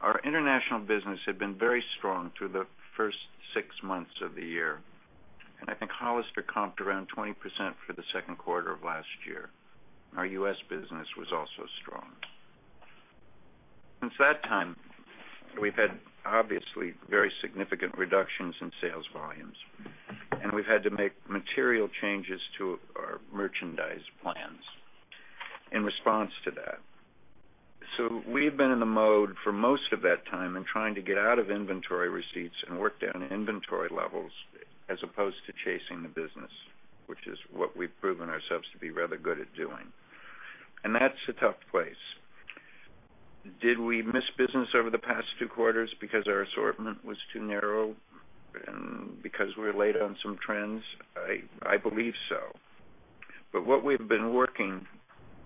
Our international business had been very strong through the first six months of the year, and I think Hollister comped around 20% for the second quarter of last year. Our U.S. business was also strong. Since that time, we've had obviously very significant reductions in sales volumes, and we've had to make material changes to our merchandise plans in response to that. We've been in the mode for most of that time and trying to get out of inventory receipts and work down the inventory levels as opposed to chasing the business, which is what we've proven ourselves to be rather good at doing. That's a tough place. Did we miss business over the past two quarters because our assortment was too narrow and because we were late on some trends? I believe so. What we've been working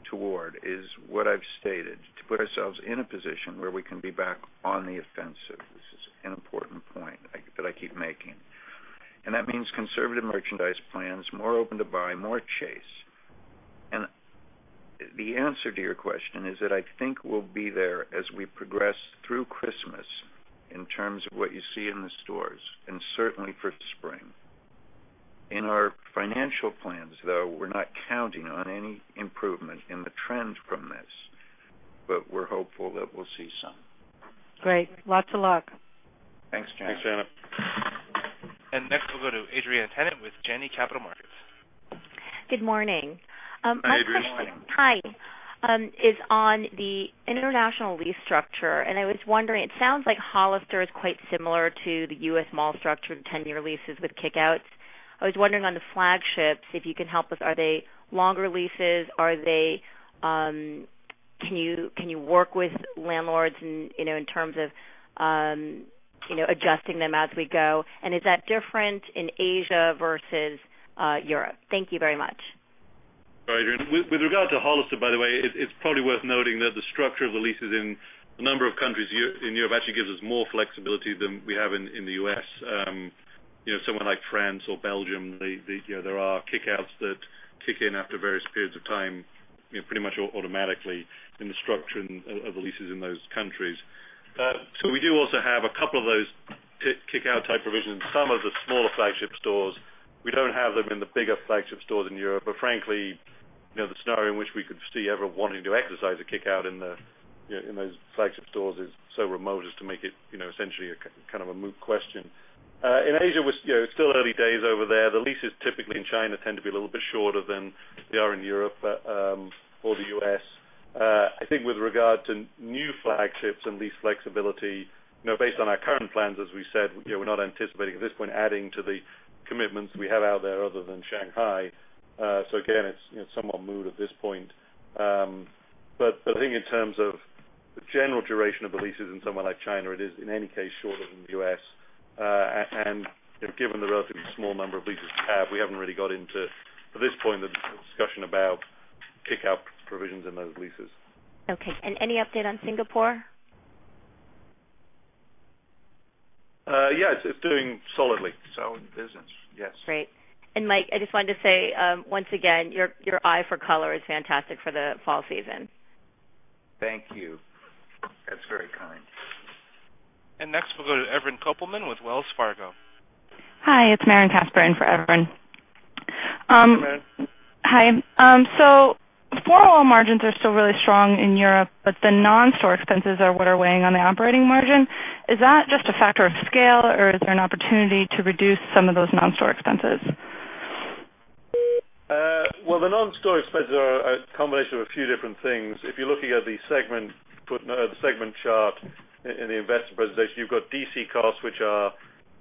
toward is what I've stated, to put ourselves in a position where we can be back on the offensive. This is an important point that I keep making. That means conservative merchandise plans, more open-to-buy, more chase. The answer to your question is that I think we'll be there as we progress through Christmas in terms of what you see in the stores and certainly for spring. In our financial plans, though, we're not counting on any improvement in the trend from this, but we're hopeful that we'll see some. Great. Lots of luck. Thanks, Janet. Thanks, Janet. Next we'll go to Adrienne Tennant with Janney Capital Markets. Good morning. Hi, Adrienne. Hi. My question is on the international lease structure. I was wondering, it sounds like Hollister is quite similar to the U.S. mall structure, the 10-year leases with kick-outs. I was wondering on the flagships, if you can help with are they longer leases? Can you work with landlords in terms of adjusting them as we go? Is that different in Asia versus Europe? Thank you very much. Hi, Adrienne. With regard to Hollister, by the way, it's probably worth noting that the structure of the leases in a number of countries in Europe actually gives us more flexibility than we have in the U.S. Somewhere like France or Belgium, there are kick-outs that kick in after various periods of time pretty much automatically in the structure of the leases in those countries. We do also have a couple of those kick-out type provisions, some of the smaller flagship stores. We don't have them in the bigger flagship stores in Europe. Frankly, the scenario in which we could see ever wanting to exercise a kick-out in those flagship stores is so remote as to make it essentially a moot question. In Asia, it's still early days over there. The leases typically in China tend to be a little bit shorter than they are in Europe or the U.S. I think with regard to new flagships and lease flexibility, based on our current plans, as we said, we're not anticipating at this point adding to the commitments we have out there other than Shanghai. Again, it's somewhat moot at this point. I think in terms of the general duration of the leases in somewhere like China, it is in any case shorter than the U.S. Given the relatively small number of leases we have, we haven't really got into, at this point, the discussion about kick-out provisions in those leases. Okay. Any update on Singapore? Yes, it's doing solidly. Solid business. Yes. Great. Mike, I just wanted to say, once again, your eye for color is fantastic for the fall season. Thank you. That's very kind. Next, we'll go to Evren Kopelman with Wells Fargo. Hi, it's Maren Kasper in for Evren. Hi. Four-wall margins are still really strong in Europe, the non-store expenses are what are weighing on the operating margin. Is that just a factor of scale, or is there an opportunity to reduce some of those non-store expenses? Well, the non-store expenses are a combination of a few different things. If you're looking at the segment chart in the investor presentation, you've got DC costs, which are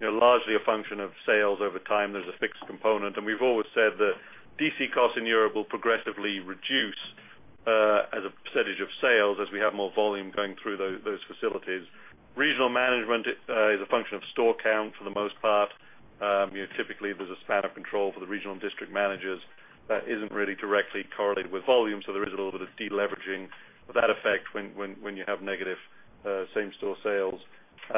largely a function of sales over time. There's a fixed component. We've always said that DC costs in Europe will progressively reduce as a % of sales as we have more volume going through those facilities. Regional management is a function of store count for the most part. Typically, there's a span of control for the regional and district managers that isn't really directly correlated with volume. There is a little bit of deleveraging of that effect when you have negative same-store sales. There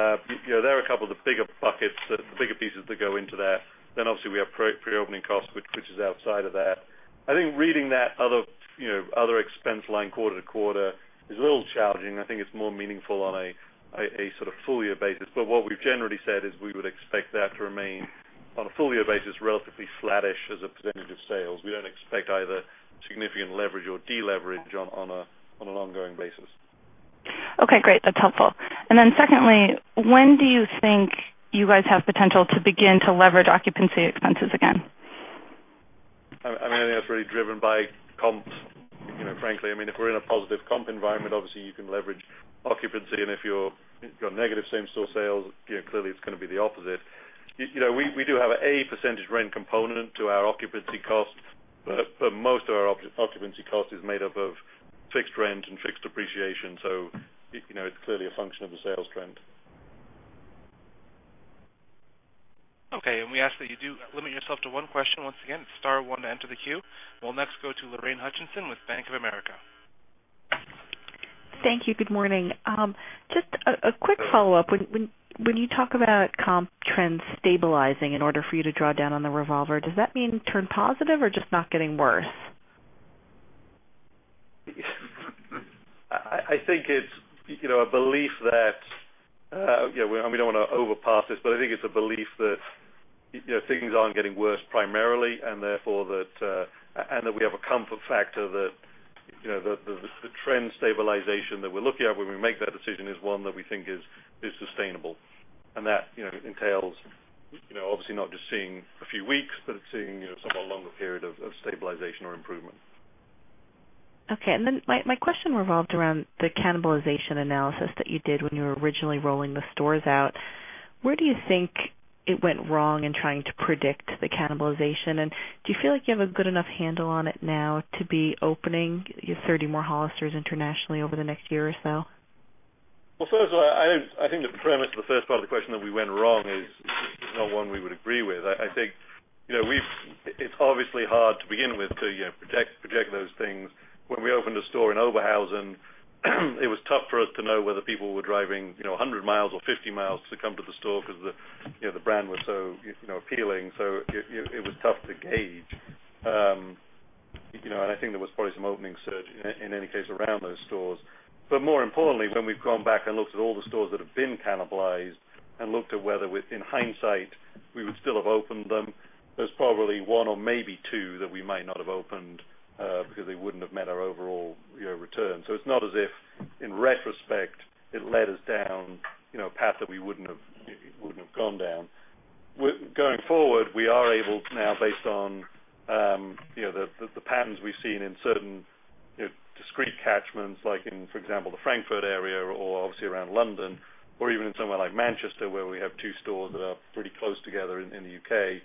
are two of the bigger buckets, the bigger pieces that go into that. Obviously we have pre-opening cost, which is outside of that. I think reading that other expense line quarter to quarter is a little challenging. I think it's more meaningful on a full year basis. What we've generally said is we would expect that to remain on a full year basis, relatively flattish as a % of sales. We don't expect either significant leverage or deleverage on an ongoing basis. Okay, great. That's helpful. Secondly, when do you think you guys have potential to begin to leverage occupancy expenses again? I think that's really driven by comps, frankly. If we're in a positive comp environment, obviously you can leverage occupancy, and if you've got negative same-store sales, clearly it's going to be the opposite. We do have a percentage rent component to our occupancy cost, but most of our occupancy cost is made up of fixed rent and fixed depreciation. It's clearly a function of the sales trend. Okay, we ask that you do limit yourself to one question. Once again, star one to enter the queue. We'll next go to Lorraine Hutchinson with Bank of America. Thank you. Good morning. Just a quick follow-up. When you talk about comp trends stabilizing in order for you to draw down on the revolver, does that mean turn positive or just not getting worse? I think it's a belief that, and we don't want to over promise, but I think it's a belief that things aren't getting worse primarily, and that we have a comfort factor that the trend stabilization that we're looking at when we make that decision is one that we think is sustainable. That entails obviously not just seeing a few weeks, but seeing a somewhat longer period of stabilization or improvement. Okay. My question revolved around the cannibalization analysis that you did when you were originally rolling the stores out. Where do you think it went wrong in trying to predict the cannibalization, and do you feel like you have a good enough handle on it now to be opening 30 more Hollisters internationally over the next year or so? Well, first of all, I think the premise of the first part of the question that we went wrong is not one we would agree with. I think it's obviously hard to begin with to project those things. When we opened a store in Oberhausen, it was tough for us to know whether people were driving 100 miles or 50 miles to come to the store because the brand was so appealing. It was tough to gauge. I think there was probably some opening surge in any case around those stores. More importantly, when we've gone back and looked at all the stores that have been cannibalized and looked at whether, in hindsight, we would still have opened them, there's probably one or maybe two that we might not have opened because they wouldn't have met our overall return. It's not as if, in retrospect, it led us down a path that we wouldn't have gone down. Going forward, we are able now, based on the patterns we've seen in certain discrete catchments, like in, for example, the Frankfurt area or obviously around London, or even in somewhere like Manchester, where we have two stores that are pretty close together in the U.K.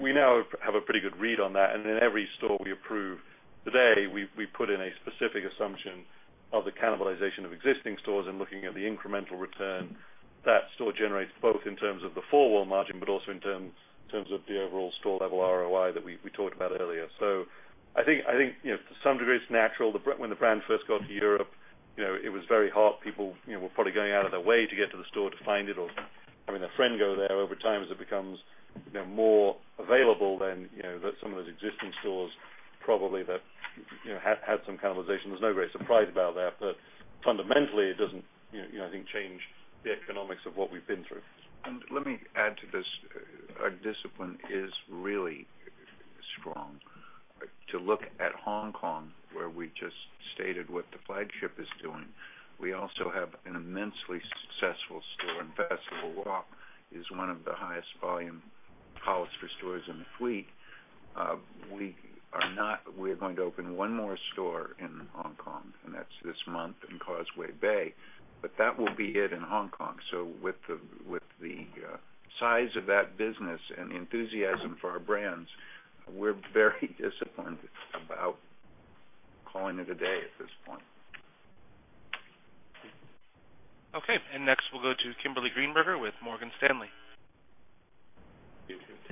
We now have a pretty good read on that, and in every store we approve today, we put in a specific assumption of the cannibalization of existing stores and looking at the incremental return that store generates, both in terms of the four-wall margin, but also in terms of the overall store-level ROI that we talked about earlier. I think to some degree, it's natural. When the brand first got to Europe, it was very hot. People were probably going out of their way to get to the store to find it or having a friend go there. Over time, as it becomes more available, some of those existing stores probably have had some cannibalization. There's no great surprise about that. Fundamentally, it doesn't, I think, change the economics of what we've been through. Let me add to this. Our discipline is really strong. To look at Hong Kong, where we just stated what the Flagship is doing. We also have an immensely successful store in Festival Walk. It is one of the highest volume Hollister stores in the fleet. We're going to open one more store in Hong Kong, and that's this month in Causeway Bay, but that will be it in Hong Kong. With the size of that business and the enthusiasm for our brands, we're very disciplined about calling it a day at this point. Okay. Next we'll go to Kimberly Greenberger with Morgan Stanley.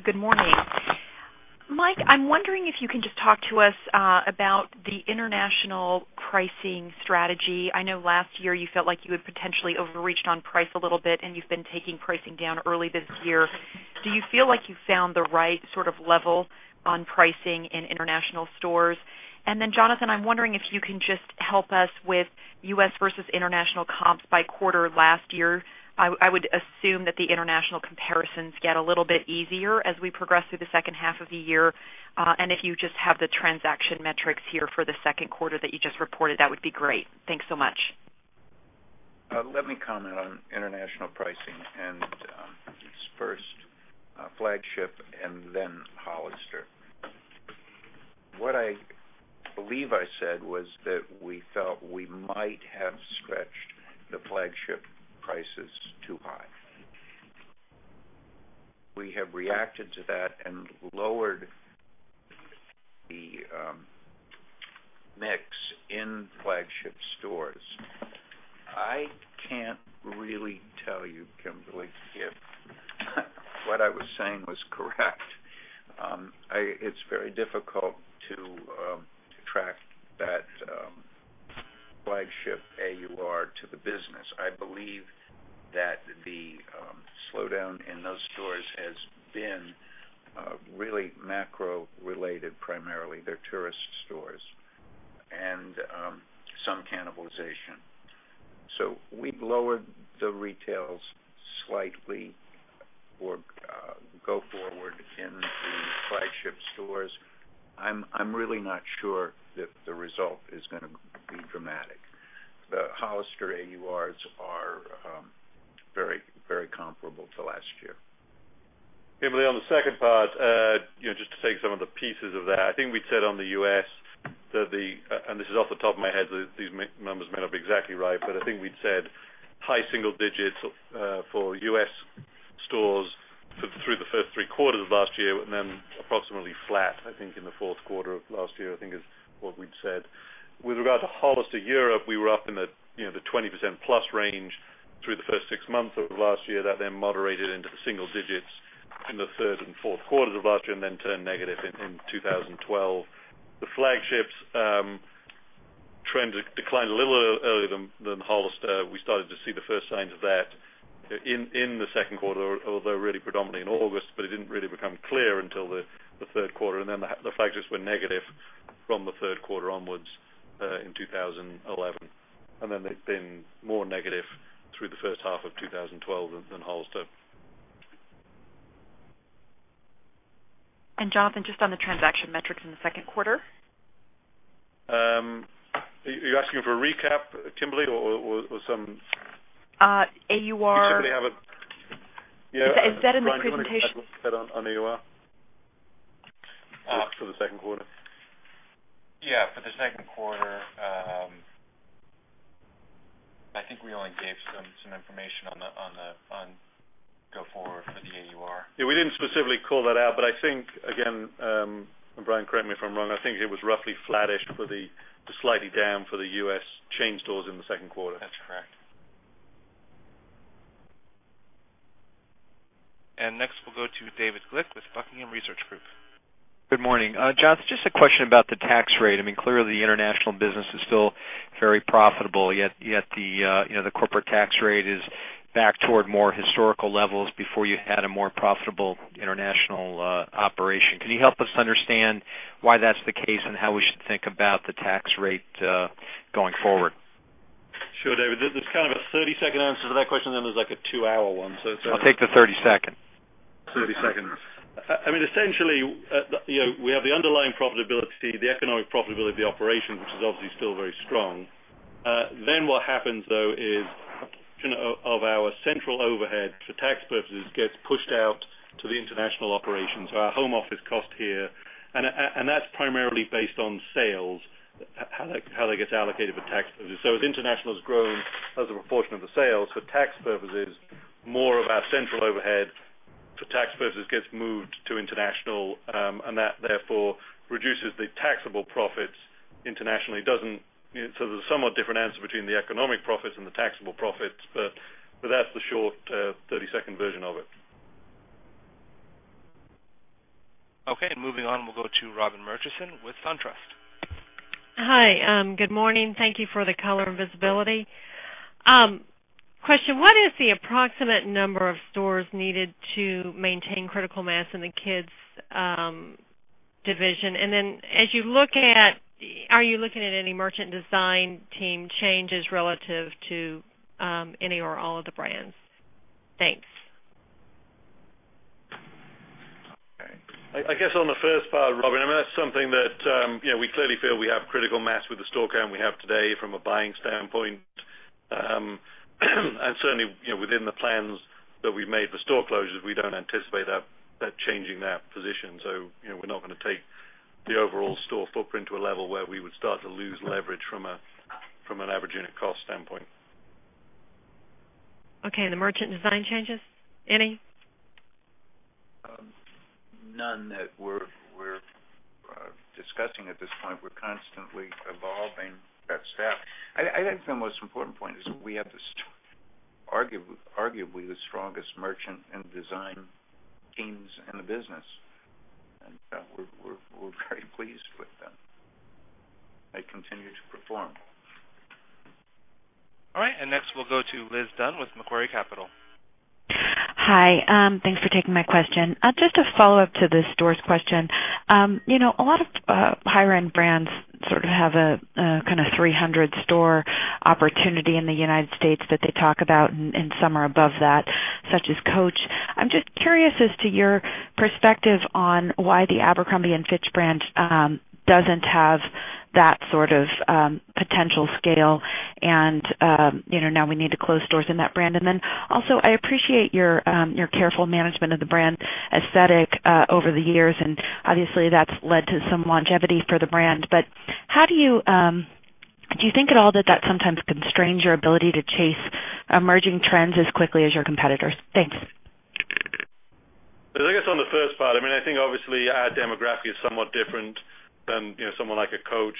Good morning. Mike, I'm wondering if you can just talk to us about the international pricing strategy. I know last year you felt like you had potentially overreached on price a little bit, and you've been taking pricing down early this year. Do you feel like you found the right sort of level on pricing in international stores? Jonathan, I'm wondering if you can just help us with U.S. versus international comps by quarter last year. I would assume that the international comparisons get a little bit easier as we progress through the second half of the year. If you just have the transaction metrics here for the second quarter that you just reported, that would be great. Thanks so much. Let me comment on international pricing, it's first Flagship and then Hollister. What I believe I said was that we felt we might have stretched the Flagship prices too high. We have reacted to that and lowered the mix in Flagship stores. I can't really tell you, Kimberly, if what I was saying was correct. It's very difficult to track that Flagship AUR to the business. I believe that the slowdown in those stores has been really macro-related, primarily. They're tourist stores, and some cannibalization. We've lowered the retails slightly or go forward in the Flagship stores. I'm really not sure that the result is going to be dramatic. The Hollister AURs are very comparable to last year. Kimberly, on the second part, just to take some of the pieces of that. I think we'd said on the U.S., and this is off the top of my head, these numbers may not be exactly right, but I think we'd said high single digits for U.S. stores through the first three quarters of last year, then approximately flat, I think, in the fourth quarter of last year, I think is what we'd said. With regard to Hollister Europe, we were up in the 20% plus range through the first six months of last year. That moderated into the single digits in the third and fourth quarters of last year, then turned negative in 2012. The Flagships trends declined a little earlier than Hollister. We started to see the first signs of that in the second quarter, although really predominantly in August, but it didn't really become clear until the third quarter. The Flagships went negative from the third quarter onwards in 2011. They've been more negative through the first half of 2012 than Hollister. Jonathan, just on the transaction metrics in the second quarter. Are you asking for a recap, Kimberly? AUR. You typically have a Is that in the presentation? Brian, do you want to comment on AUR for the second quarter? Yeah. For the second quarter, I think we only gave some information on go-forward for the AUR. Yeah, we didn't specifically call that out, but I think, again, Brian, correct me if I'm wrong, I think it was roughly flattish to slightly down for the U.S. chain stores in the second quarter. That's correct. Next, we'll go to David Glick with Buckingham Research Group. Good morning. Jonathan, just a question about the tax rate. Clearly, the international business is still very profitable, yet the corporate tax rate is back toward more historical levels before you had a more profitable international operation. Can you help us understand why that's the case and how we should think about the tax rate going forward? Sure, David. There's kind of a 30-second answer to that question, and then there's a two-hour one. I'll take the 30 second. 30 second. Essentially, we have the underlying profitability, the economic profitability of the operation, which is obviously still very strong. What happens, though, is of our central overhead for tax purposes gets pushed out to the international operations. Our home office cost here, and that's primarily based on sales, how that gets allocated for tax purposes. As international has grown as a proportion of the sales for tax purposes, more of our central overhead for tax purposes gets moved to international, and that therefore reduces the taxable profits internationally. There's a somewhat different answer between the economic profits and the taxable profits, but that's the short, 30-second version of it. Okay, moving on, we'll go to Robin Murchison with SunTrust. Hi. Good morning. Thank you for the color and visibility. Question, what is the approximate number of stores needed to maintain critical mass in the kids' division? Are you looking at any merchant design team changes relative to any or all of the brands? Thanks. I guess on the first part, Robin, that's something that we clearly feel we have critical mass with the store count we have today from a buying standpoint. Certainly, within the plans that we've made for store closures, we don't anticipate that changing that position. We're not going to take the overall store footprint to a level where we would start to lose leverage from an average unit cost standpoint. Okay, the merchant design changes, any? None that we're discussing at this point. We're constantly evolving that staff. I think the most important point is we have arguably the strongest merchant and design teams in the business. We're very pleased with them. They continue to perform. Right. Next, we'll go to Liz Dunn with Macquarie Capital. Hi. Thanks for taking my question. Just a follow-up to the stores question. A lot of higher-end brands sort of have a 300-store opportunity in the U.S. that they talk about, and some are above that, such as Coach. I'm just curious as to your perspective on why the Abercrombie & Fitch brand doesn't have that sort of potential scale, and now we need to close stores in that brand. Then also, I appreciate your careful management of the brand aesthetic over the years, and obviously, that's led to some longevity for the brand. How do you Do you think at all that that sometimes constrains your ability to chase emerging trends as quickly as your competitors? Thanks. I guess on the first part, I think obviously our demographic is somewhat different than someone like a Coach.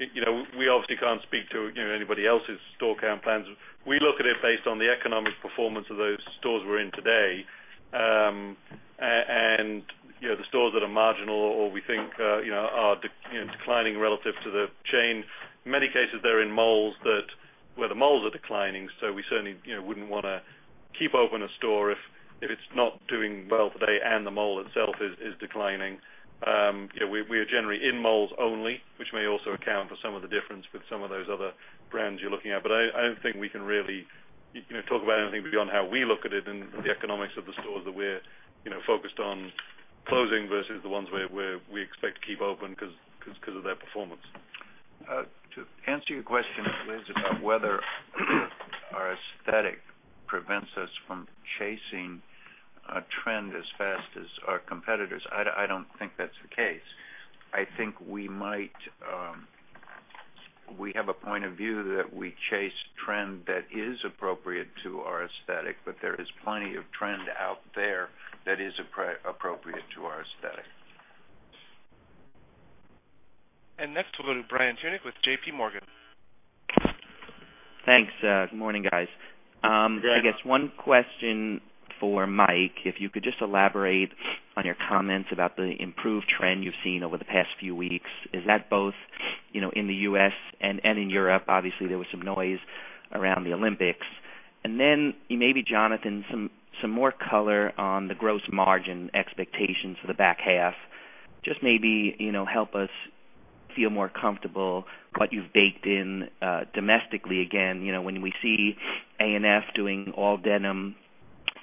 We obviously can't speak to anybody else's store count plans. We look at it based on the economic performance of those stores we're in today. The stores that are marginal or we think are declining relative to the chain, in many cases they're in malls where the malls are declining. We certainly wouldn't want to keep open a store if it's not doing well today and the mall itself is declining. We are generally in malls only, which may also account for some of the difference with some of those other brands you're looking at. I don't think we can really talk about anything beyond how we look at it and the economics of the stores that we're focused on closing versus the ones where we expect to keep open because of their performance. To answer your question, Liz, about whether our aesthetic prevents us from chasing a trend as fast as our competitors, I don't think that's the case. I think we have a point of view that we chase trend that is appropriate to our aesthetic, but there is plenty of trend out there that is appropriate to our aesthetic. Next we'll go to Brian Tunick with JPMorgan. Thanks. Good morning, guys. Good day. I guess one question for Mike, if you could just elaborate on your comments about the improved trend you've seen over the past few weeks. Is that both in the U.S. and in Europe? Obviously, there was some noise around the Olympics. Maybe Jonathan, some more color on the gross margin expectations for the back half. Just maybe, help us feel more comfortable what you've baked in domestically again. When we see ANF doing all denim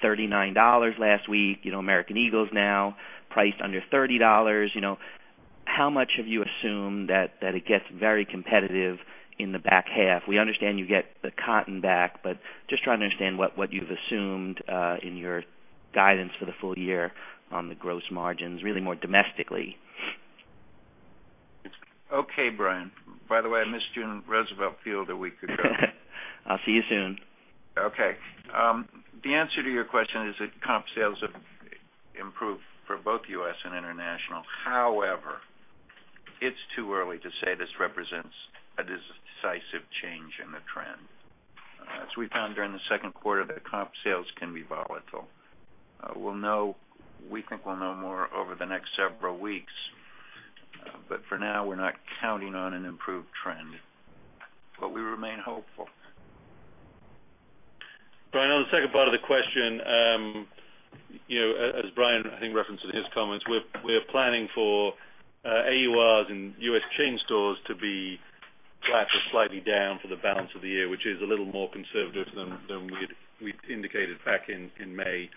$39 last week, American Eagle's now priced under $30. How much have you assumed that it gets very competitive in the back half? We understand you get the cotton back, just trying to understand what you've assumed in your guidance for the full year on the gross margins, really more domestically. Okay, Brian. By the way, I missed you in Roosevelt Field a week ago. I'll see you soon. Okay. The answer to your question is that comp sales have improved for both U.S. and international. It's too early to say this represents a decisive change in the trend. As we found during the second quarter that comp sales can be volatile. We think we'll know more over the next several weeks. For now, we're not counting on an improved trend. We remain hopeful. Brian, on the second part of the question, as Brian, I think, referenced in his comments, we're planning for AURs in U.S. chain stores to be flat or slightly down for the balance of the year, which is a little more conservative than we'd indicated back in May.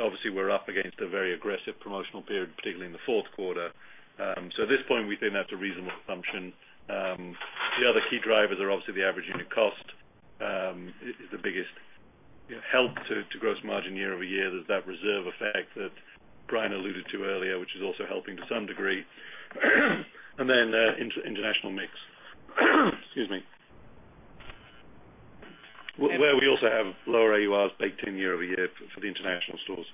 Obviously, we're up against a very aggressive promotional period, particularly in the fourth quarter. At this point, we think that's a reasonable assumption. The other key drivers are obviously the average unit cost is the biggest help to gross margin year-over-year. There's that reserve effect that Brian alluded to earlier, which is also helping to some degree. International mix. Excuse me. Where we also have lower AURs baked in year-over-year for the international stores.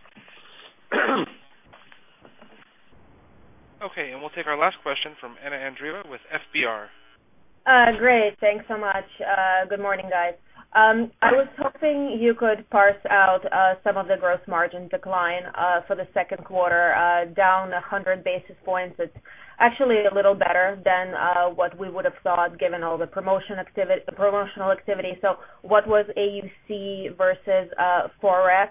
Okay. We'll take our last question from Anna Andreeva with FBR. Great. Thanks so much. Good morning, guys. I was hoping you could parse out some of the gross margin decline for the second quarter, down 100 basis points. It's actually a little better than what we would have thought given all the promotional activity. What was AUC versus Forex?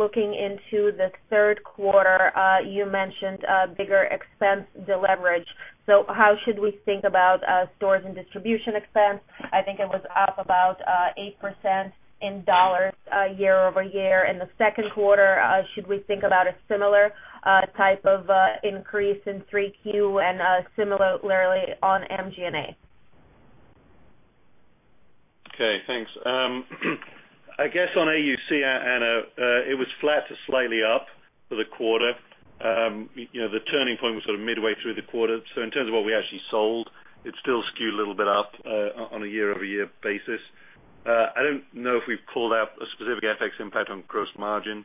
Looking into the third quarter, you mentioned a bigger expense deleverage. How should we think about stores and distribution expense? I think it was up about 8% in dollars year-over-year in the second quarter. Should we think about a similar type of increase in 3Q and similarly on MG&A? Okay, thanks. I guess on AUC, Anna, it was flat to slightly up for the quarter. The turning point was sort of midway through the quarter. In terms of what we actually sold, it's still skewed a little bit up on a year-over-year basis. I don't know if we've called out a specific FX impact on gross margin.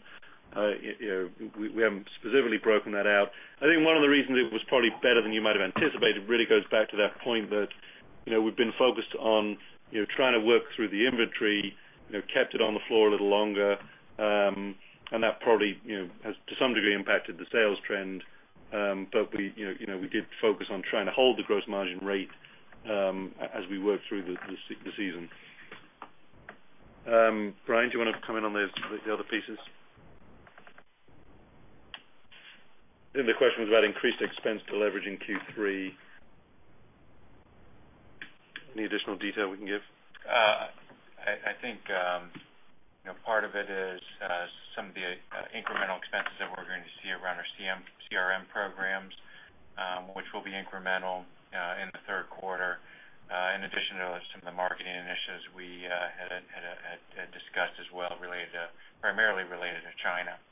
We haven't specifically broken that out. I think one of the reasons it was probably better than you might have anticipated really goes back to that point that we've been focused on trying to work through the inventory, kept it on the floor a little longer. That probably has, to some degree, impacted the sales trend. We did focus on trying to hold the gross margin rate as we worked through the season. Brian, do you want to comment on the other pieces? I think the question was about increased expense deleverage in Q3. Any additional detail we can give? I think, part of it is some of the incremental expenses that we're going to see around our CRM programs, which will be incremental in the third quarter. In addition to some of the marketing initiatives we had discussed as well, primarily related to China.